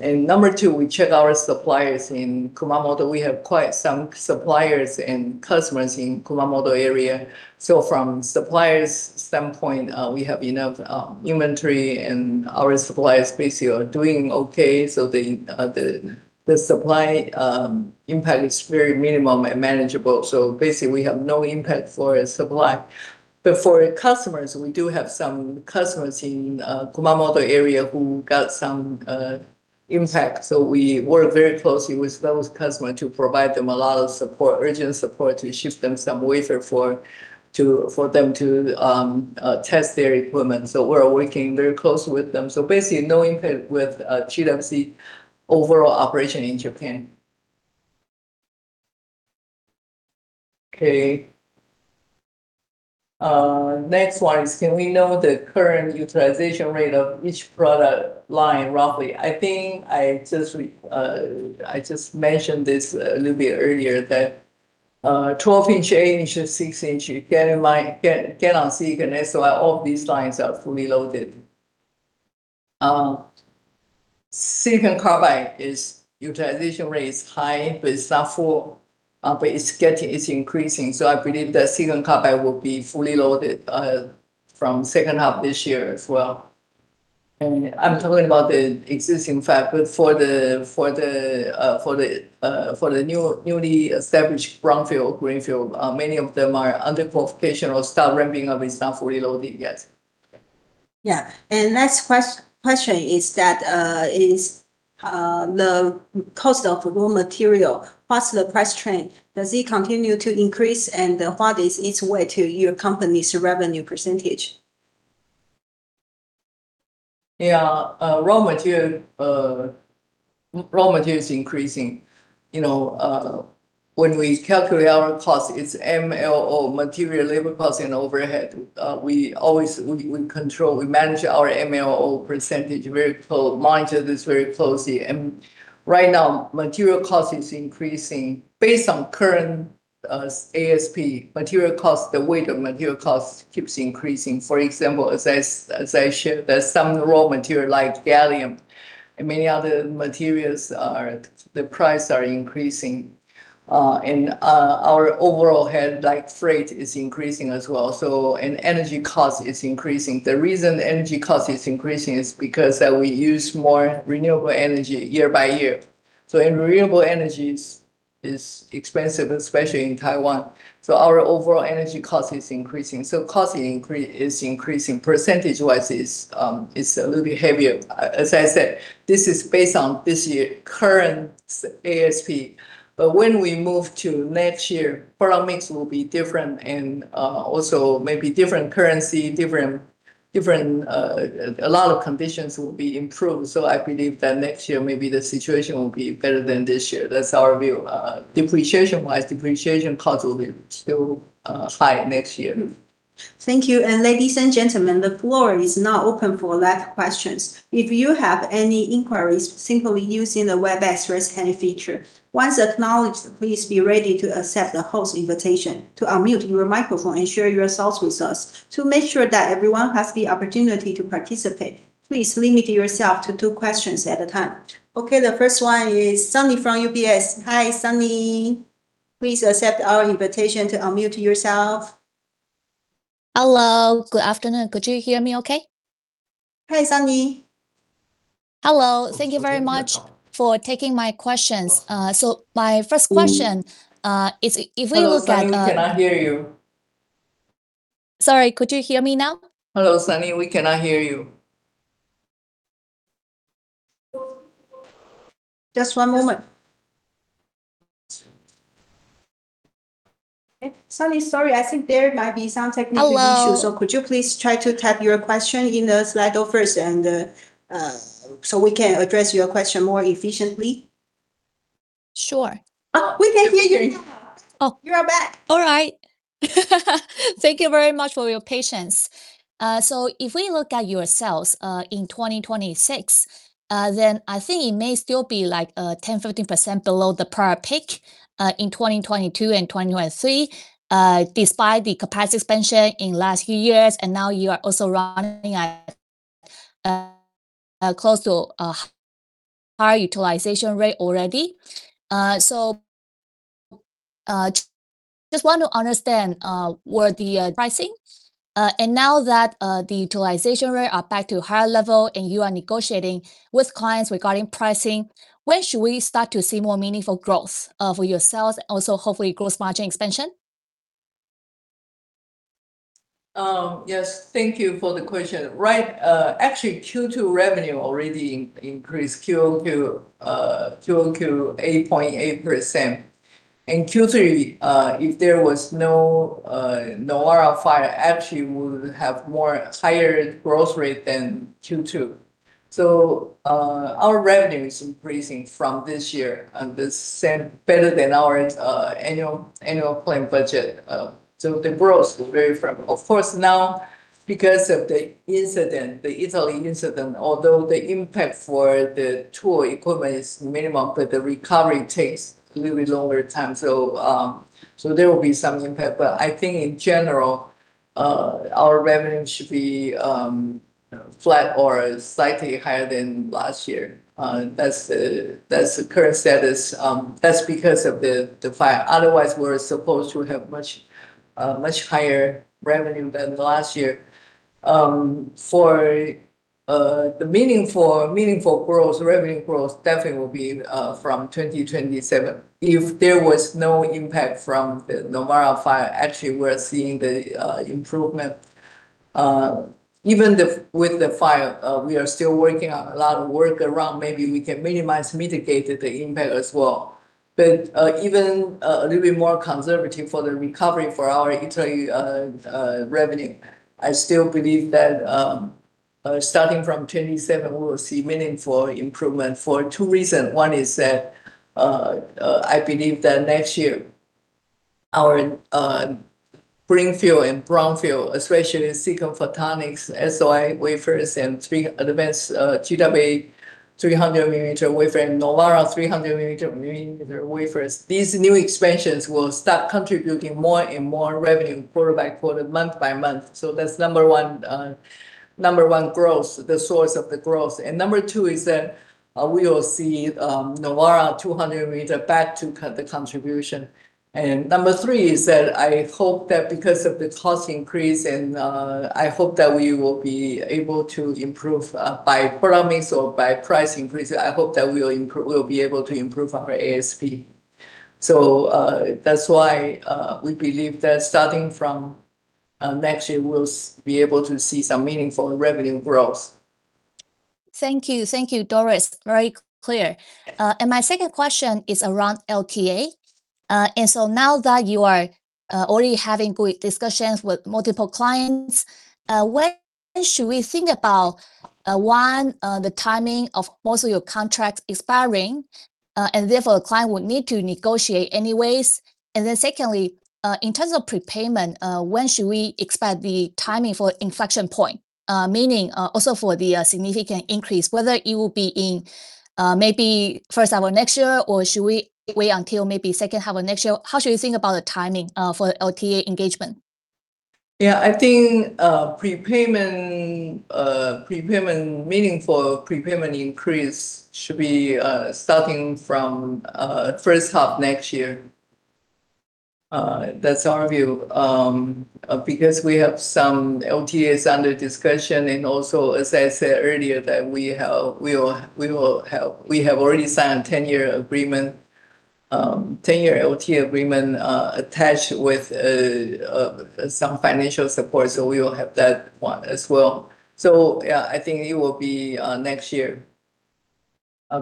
Number two, we check our suppliers in Kumamoto. We have quite some suppliers and customers in Kumamoto area. From suppliers' standpoint, we have enough inventory, and our suppliers basically are doing okay. The supply impact is very minimal and manageable. Basically, we have no impact for supply. For customers, we do have some customers in Kumamoto area who got some impact. We work very closely with those customers to provide them a lot of urgent support, to ship them some wafer for them to test their equipment. We're working very close with them. Basically, no impact with GWC overall operation in Japan. Okay. Next one is, "Can we know the current utilization rate of each product line, roughly?" I think I just mentioned this a little bit earlier, that 12-inch, 8-inch and 6-inch, GaN-on-Si and Si-on-Si, all of these lines are fully loaded. Silicon carbide utilization rate is high, but it's not full, but it's increasing. I believe that silicon carbide will be fully loaded from second half this year as well. I'm talking about the existing fab, but for the newly established brownfield, greenfield, many of them are under qualification or start ramping up and start fully loading. Yes. Yeah. Next question is that, is the cost of raw material, what's the price trend? Does it continue to increase, and what is its weight to your company's revenue percentage? Yeah. Raw material is increasing. When we calculate our cost, it is MLO, material, labor cost, and overhead. We manage our MLO percentage, monitor this very closely. Right now, material cost is increasing. Based on current ASP, the weight of material cost keeps increasing. For example, as I shared, there is some raw material like gallium and many other materials, the price are increasing. Our overall overhead, like freight, is increasing as well. Energy cost is increasing. The reason energy cost is increasing is because that we use more renewable energy year-by-year. Renewable energy is expensive, especially in Taiwan. Our overall energy cost is increasing. Cost is increasing. Percentage wise, it is a little bit heavier. As I said, this is based on this year's current ASP. When we move to next year, product mix will be different and also maybe different currency. A lot of conditions will be improved. I believe that next year maybe the situation will be better than this year. That is our view. Depreciation wise, depreciation cost will be still high next year. Thank you. Ladies and gentlemen, the floor is now open for live questions. If you have any inquiries, simply use the Webex Raise Hand feature. Once acknowledged, please be ready to accept the host invitation to unmute your microphone and share your thoughts with us. To make sure that everyone has the opportunity to participate, please limit yourself to two questions at a time. Okay, the first one is Sunny from UBS. Hi, Sunny. Please accept our invitation to unmute yourself. Hello. Good afternoon. Could you hear me okay? Hi, Sunny. Hello. Thank you very much for taking my questions. My first question is. Hello, Sunny. We cannot hear you. Sorry, could you hear me now? Hello, Sunny. We cannot hear you. Just one moment. Sunny, sorry, I think there might be some technical issues. Hello. Could you please try to type your question in the Slido first, so we can address your question more efficiently? Sure. Oh, we can hear you. Oh. You are back. All right. Thank you very much for your patience. If we look at your sales in 2026, I think it may still be 10%-15% below the prior peak in 2022 and 2023, despite the capacity expansion in last few years. Now you are also running at close to a high utilization rate already. Just want to understand where the pricing, now that the utilization rate are back to higher level and you are negotiating with clients regarding pricing, when should we start to see more meaningful growth for your sales and also hopefully gross margin expansion? Yes. Thank you for the question. Right. Actually, Q2 revenue already increased QoQ 8.8%. In Q3, if there was no Novara fire, actually we would have higher growth rate than Q2. Our revenue is increasing from this year and better than our annual plan budget. The growth is very firm. Now because of the Italy incident, although the impact for the tool equipment is minimum, the recovery takes a little bit longer time. There will be some impact. I think in general, our revenue should be flat or slightly higher than last year. That's the current status. That's because of the fire. Otherwise, we're supposed to have much higher revenue than last year. For the meaningful growth, revenue growth definitely will be from 2027. If there was no impact from the Novara fire, actually, we're seeing the improvement. Even with the fire, we are still working on a lot of workaround. Maybe we can minimize, mitigate the impact as well. Even a little bit more conservative for the recovery for our Italy revenue, I still believe that starting from 2027, we will see meaningful improvement for two reason. One is that I believe that next year our greenfield and brownfield, especially in Silicon Photonics, SOI wafers, and three advanced GWA 300 mm wafer and Novara 300 mm wafers. These new expansions will start contributing more and more revenue quarter-by-quarter, month-by-month. That's number one growth, the source of the growth. Number two is that we will see Novara 200 mm back to the contribution. Number three is that I hope that because of the cost increase, I hope that we will be able to improve by product mix or by price increase. I hope that we'll be able to improve our ASP. That's why we believe that starting from next year, we'll be able to see some meaningful revenue growth. Thank you, Doris. Very clear. My second question is around LTA. Now that you are already having good discussions with multiple clients, when should we think about, one, the timing of most of your contracts expiring, and therefore, the client would need to negotiate anyways. Then secondly, in terms of prepayment, when should we expect the timing for inflection point? Meaning, also for the significant increase, whether it will be in maybe first half of next year, or should we wait until maybe second half of next year? How should we think about the timing for LTA engagement? I think meaningful prepayment increase should be starting from first half next year. That's our view. We have some LTAs under discussion, and also, as I said earlier, that we have already signed a 10-year LTA agreement attached with some financial support, we will have that one as well. I think it will be next year,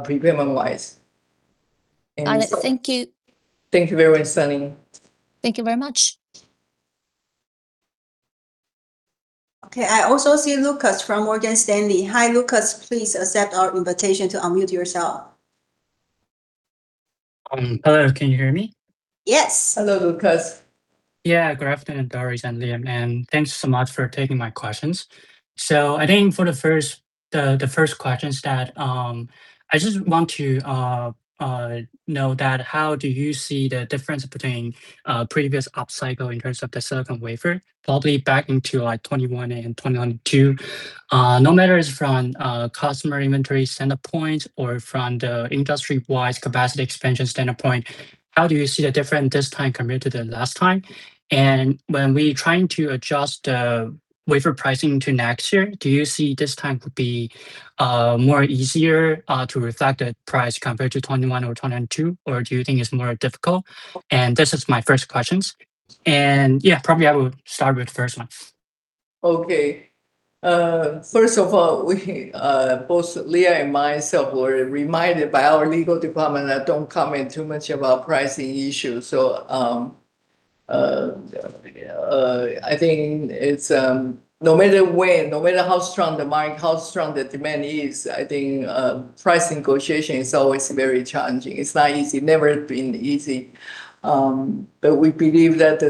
prepayment-wise. Got it. Thank you. Thank you very much, Sunny. Thank you very much. Okay, I also see Lucas from Morgan Stanley. Hi, Lucas. Please accept our invitation to unmute yourself. Hello, can you hear me? Yes. Hello, Lucas. Good afternoon, Doris and Leah, and thanks so much for taking my questions. I think for the first question is that, I just want to know that how do you see the difference between previous up cycle in terms of the silicon wafer, probably back into like 2021 and 2022. No matter is it from customer inventory standpoint or from the industry-wise capacity expansion standpoint, how do you see the difference this time compared to the last time? When we trying to adjust the wafer pricing to next year, do you see this time could be more easier to reflect the price compared to 2021 or 2022, or do you think it's more difficult? This is my first questions. Yeah, probably I will start with first one. Okay. First of all, both Leah and myself were reminded by our legal department that don't comment too much about pricing issues. I think it's, no matter when, no matter how strong the demand is, I think price negotiation is always very challenging. It's not easy. Never been easy. We believe that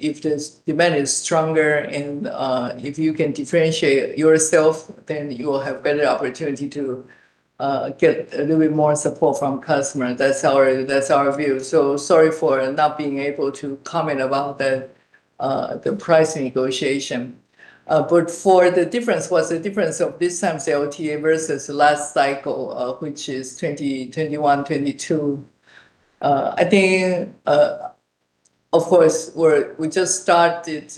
if the demand is stronger and if you can differentiate yourself, then you will have better opportunity to get a little bit more support from customer. That's our view. Sorry for not being able to comment about the price negotiation. For the difference, what's the difference of this time's LTA versus last cycle, which is 2021, 2022. I think, of course, we just started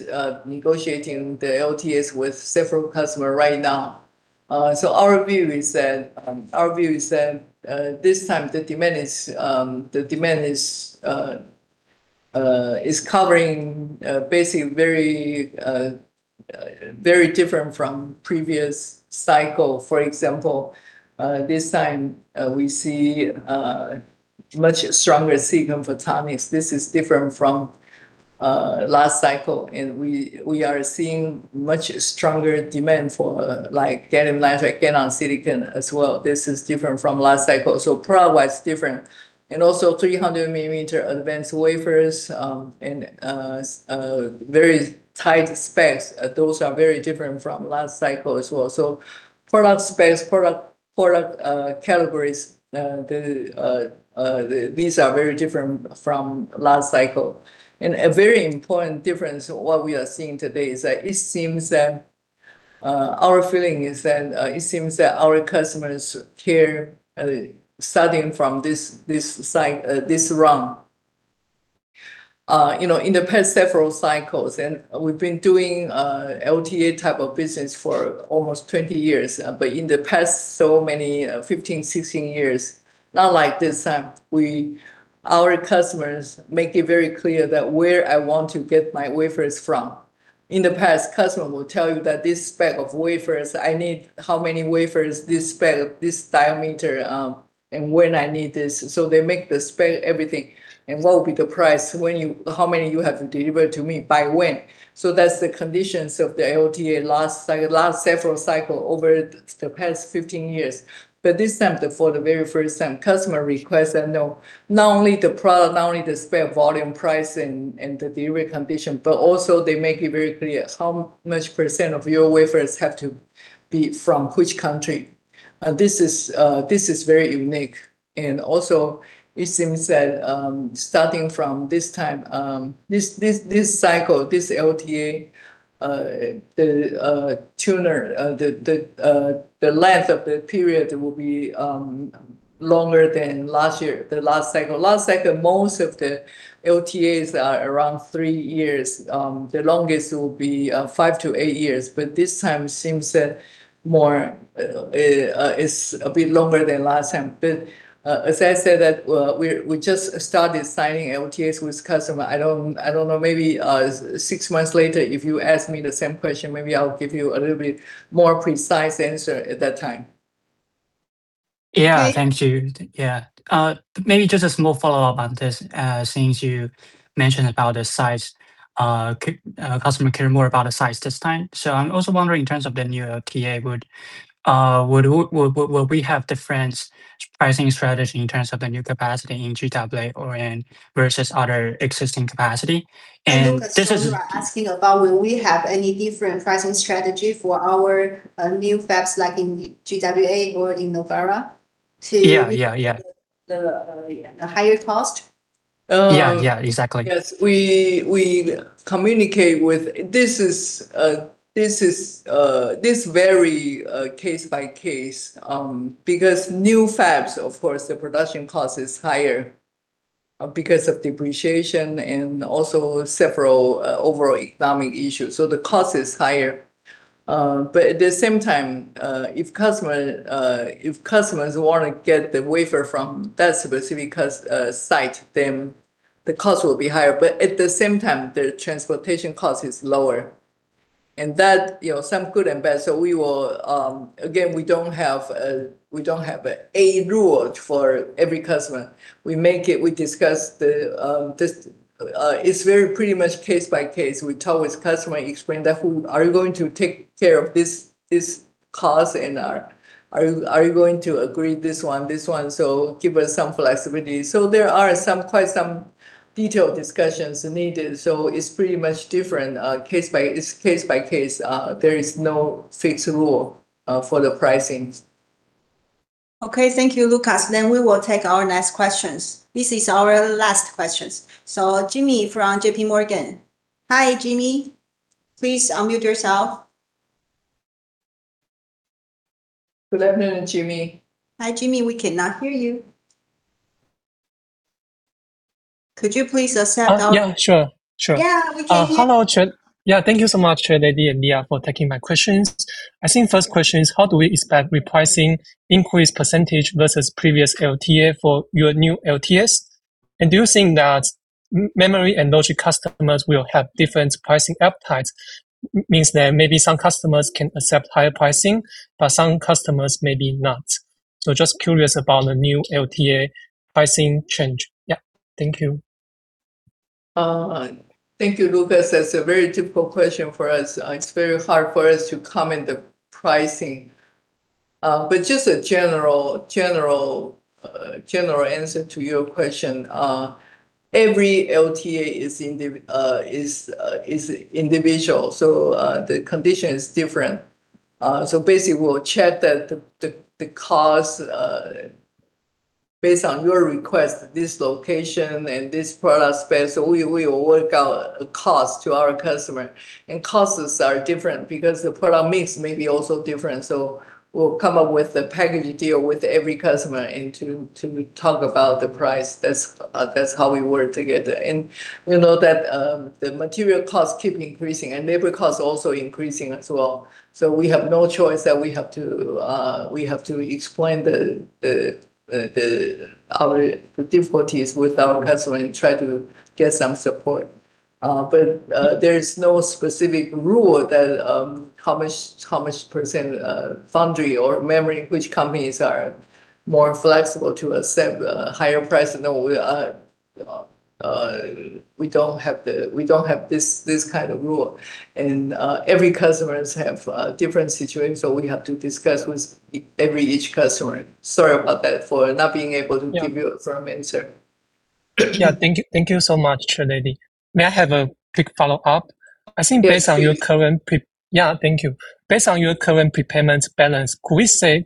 negotiating the LTAs with several customer right now. Our view is that this time the demand is covering basically very different from previous cycle. For example, this time we see much stronger signal for photonics. This is different from last cycle, we are seeing much stronger demand for gallium nitride, GaN-on-Silicon as well. This is different from last cycle. Product was different. Also 300 mm advanced wafers, and very tight specs. Those are very different from last cycle as well. Product specs, product categories, these are very different from last cycle. A very important difference what we are seeing today is that it seems that our feeling is that it seems that our customers care, starting from this run. In the past several cycles, we've been doing LTA type of business for almost 20 years. In the past, so many, 15, 16 years, not like this time. Our customers make it very clear that where I want to get my wafers from. In the past, customer will tell you that this spec of wafers, I need how many wafers, this spec, this diameter, and when I need this. They make the spec, everything, and what will be the price, how many you have to deliver to me, by when. That's the conditions of the LTA last several cycle over the past 15 years. This time, for the very first time, customer request that not only the product, not only the spec, volume, price, and the delivery condition, but also they make it very clear how much percent of your wafers have to be from which country. This is very unique. Also, it seems that, starting from this time, this cycle, this LTA, the length of the period will be longer than last year, the last cycle. Last cycle, most of the LTAs are around three years. The longest will be five to eight years, this time seems that more, is a bit longer than last time. As I said that we just started signing LTAs with customer. I don't know, maybe six months later, if you ask me the same question, maybe I'll give you a little bit more precise answer at that time. Yeah. Thank you. Yeah. Maybe just a small follow-up on this, since you mentioned about the size, customer care more about the size this time. I'm also wondering in terms of the new LTA, will we have different pricing strategy in terms of the new capacity in GWA versus other existing capacity? This is- Lucas, someone are asking about will we have any different pricing strategy for our new fabs, like in GWA or in Novara? Yeah The higher cost? Yeah, exactly. Yes. We communicate with This vary case by case, because new fabs, of course, the production cost is higher because of depreciation and also several overall economic issues. The cost is higher. At the same time, if customers want to get the wafer from that specific site, then the cost will be higher. At the same time, the transportation cost is lower and that, some good and bad. Again, we don't have a rule for every customer. We make it, we discuss this. It's very pretty much case by case. We talk with customer, explain that who are you going to take care of this cost and are you going to agree this one? Give us some flexibility. There are quite some detailed discussions needed. It's pretty much different. It's case by case. There is no fixed rule for the pricings. Okay. Thank you, Lucas. We will take our next questions. This is our last questions. Jimmy from JPMorgan. Hi, Jimmy. Please unmute yourself. Good afternoon, Jimmy. Hi, Jimmy. We cannot hear you. Could you please ask. Yeah, sure. Yeah, we can hear you. Hello. Yeah. Thank you so much, Chairperson and Leah for taking my questions. First question is, how do we expect repricing increased percentage versus previous LTA for your new LTAs? Do you think that memory and logic customers will have different pricing appetites, means that maybe some customers can accept higher pricing, but some customers maybe not. Just curious about the new LTA pricing change. Yeah. Thank you. Thank you, Lucas. That's a very difficult question for us. It's very hard for us to comment the pricing. Just a general answer to your question. Every LTA is individual, the condition is different. Basically, we'll check that the cost based on your request, this location and this product space. We will work out a cost to our customer. Costs are different because the product mix may be also different. We'll come up with a package deal with every customer and to talk about the price. That's how we work together. We know that the material costs keep increasing and labor costs also increasing as well. We have no choice that we have to explain our difficulties with our customer and try to get some support. There is no specific rule that how much percent foundry or memory, which companies are more flexible to accept a higher price than We don't have this kind of rule. Every customers have a different situation, we have to discuss with every each customer. Sorry about that, for not being able to give you a firm answer. Thank you so much, Chairperson. May I have a quick follow-up? Yes, please. Thank you. Based on your current prepayments balance, could we say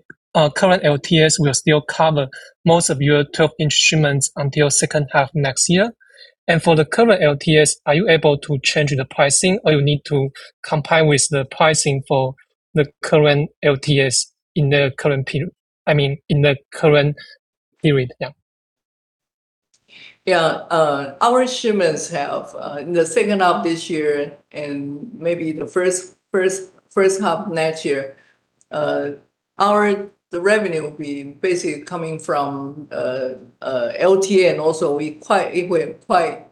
current LTA will still cover most of your 12-inch shipments until second half next year? For the current LTA, are you able to change the pricing or you need to comply with the pricing for the current LTA in the current period? Yeah. Our shipments have, in the second half this year and maybe the first half next year, the revenue will be basically coming from LTA, and also quite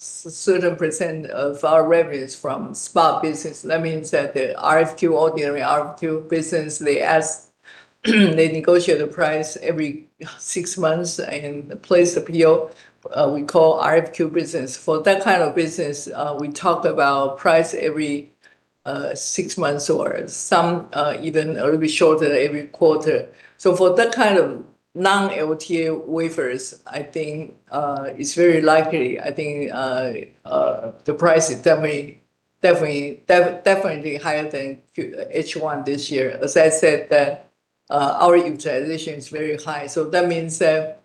certain percent of our revenue is from spot business. That means that the RFQ, ordinary RFQ business, they negotiate the price every six months and place the PO, we call RFQ business. For that kind of business, we talk about price every six months or some even a little bit shorter, every quarter. For that kind of non-LTA wafers, I think it's very likely. I think the price is definitely higher than H1 this year. As I said that our utilization is very high, that means that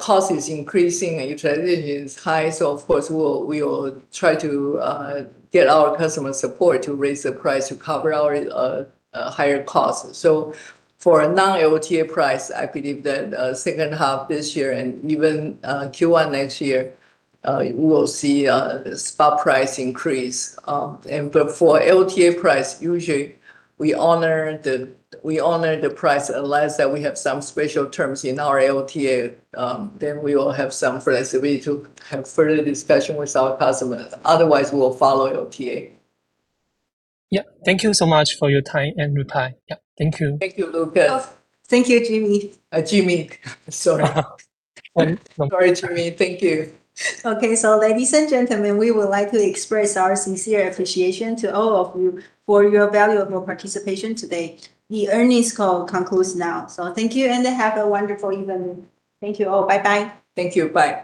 cost is increasing, utilization is high. Of course, we will try to get our customer support to raise the price to cover our higher costs. For a non-LTA price, I believe that second half this year and even Q1 next year, we will see a spot price increase. For LTA price, usually we honor the price, unless that we have some special terms in our LTA, then we will have some flexibility to have further discussion with our customer. Otherwise, we will follow LTA. Yeah. Thank you so much for your time and reply. Yeah. Thank you. Thank you, Lucas. Thank you, Jimmy. Jimmy. Sorry, Jimmy. Thank you. Okay, ladies and gentlemen, we would like to express our sincere appreciation to all of you for your valuable participation today. The earnings call concludes now. Thank you and have a wonderful evening. Thank you all. Bye bye. Thank you. Bye.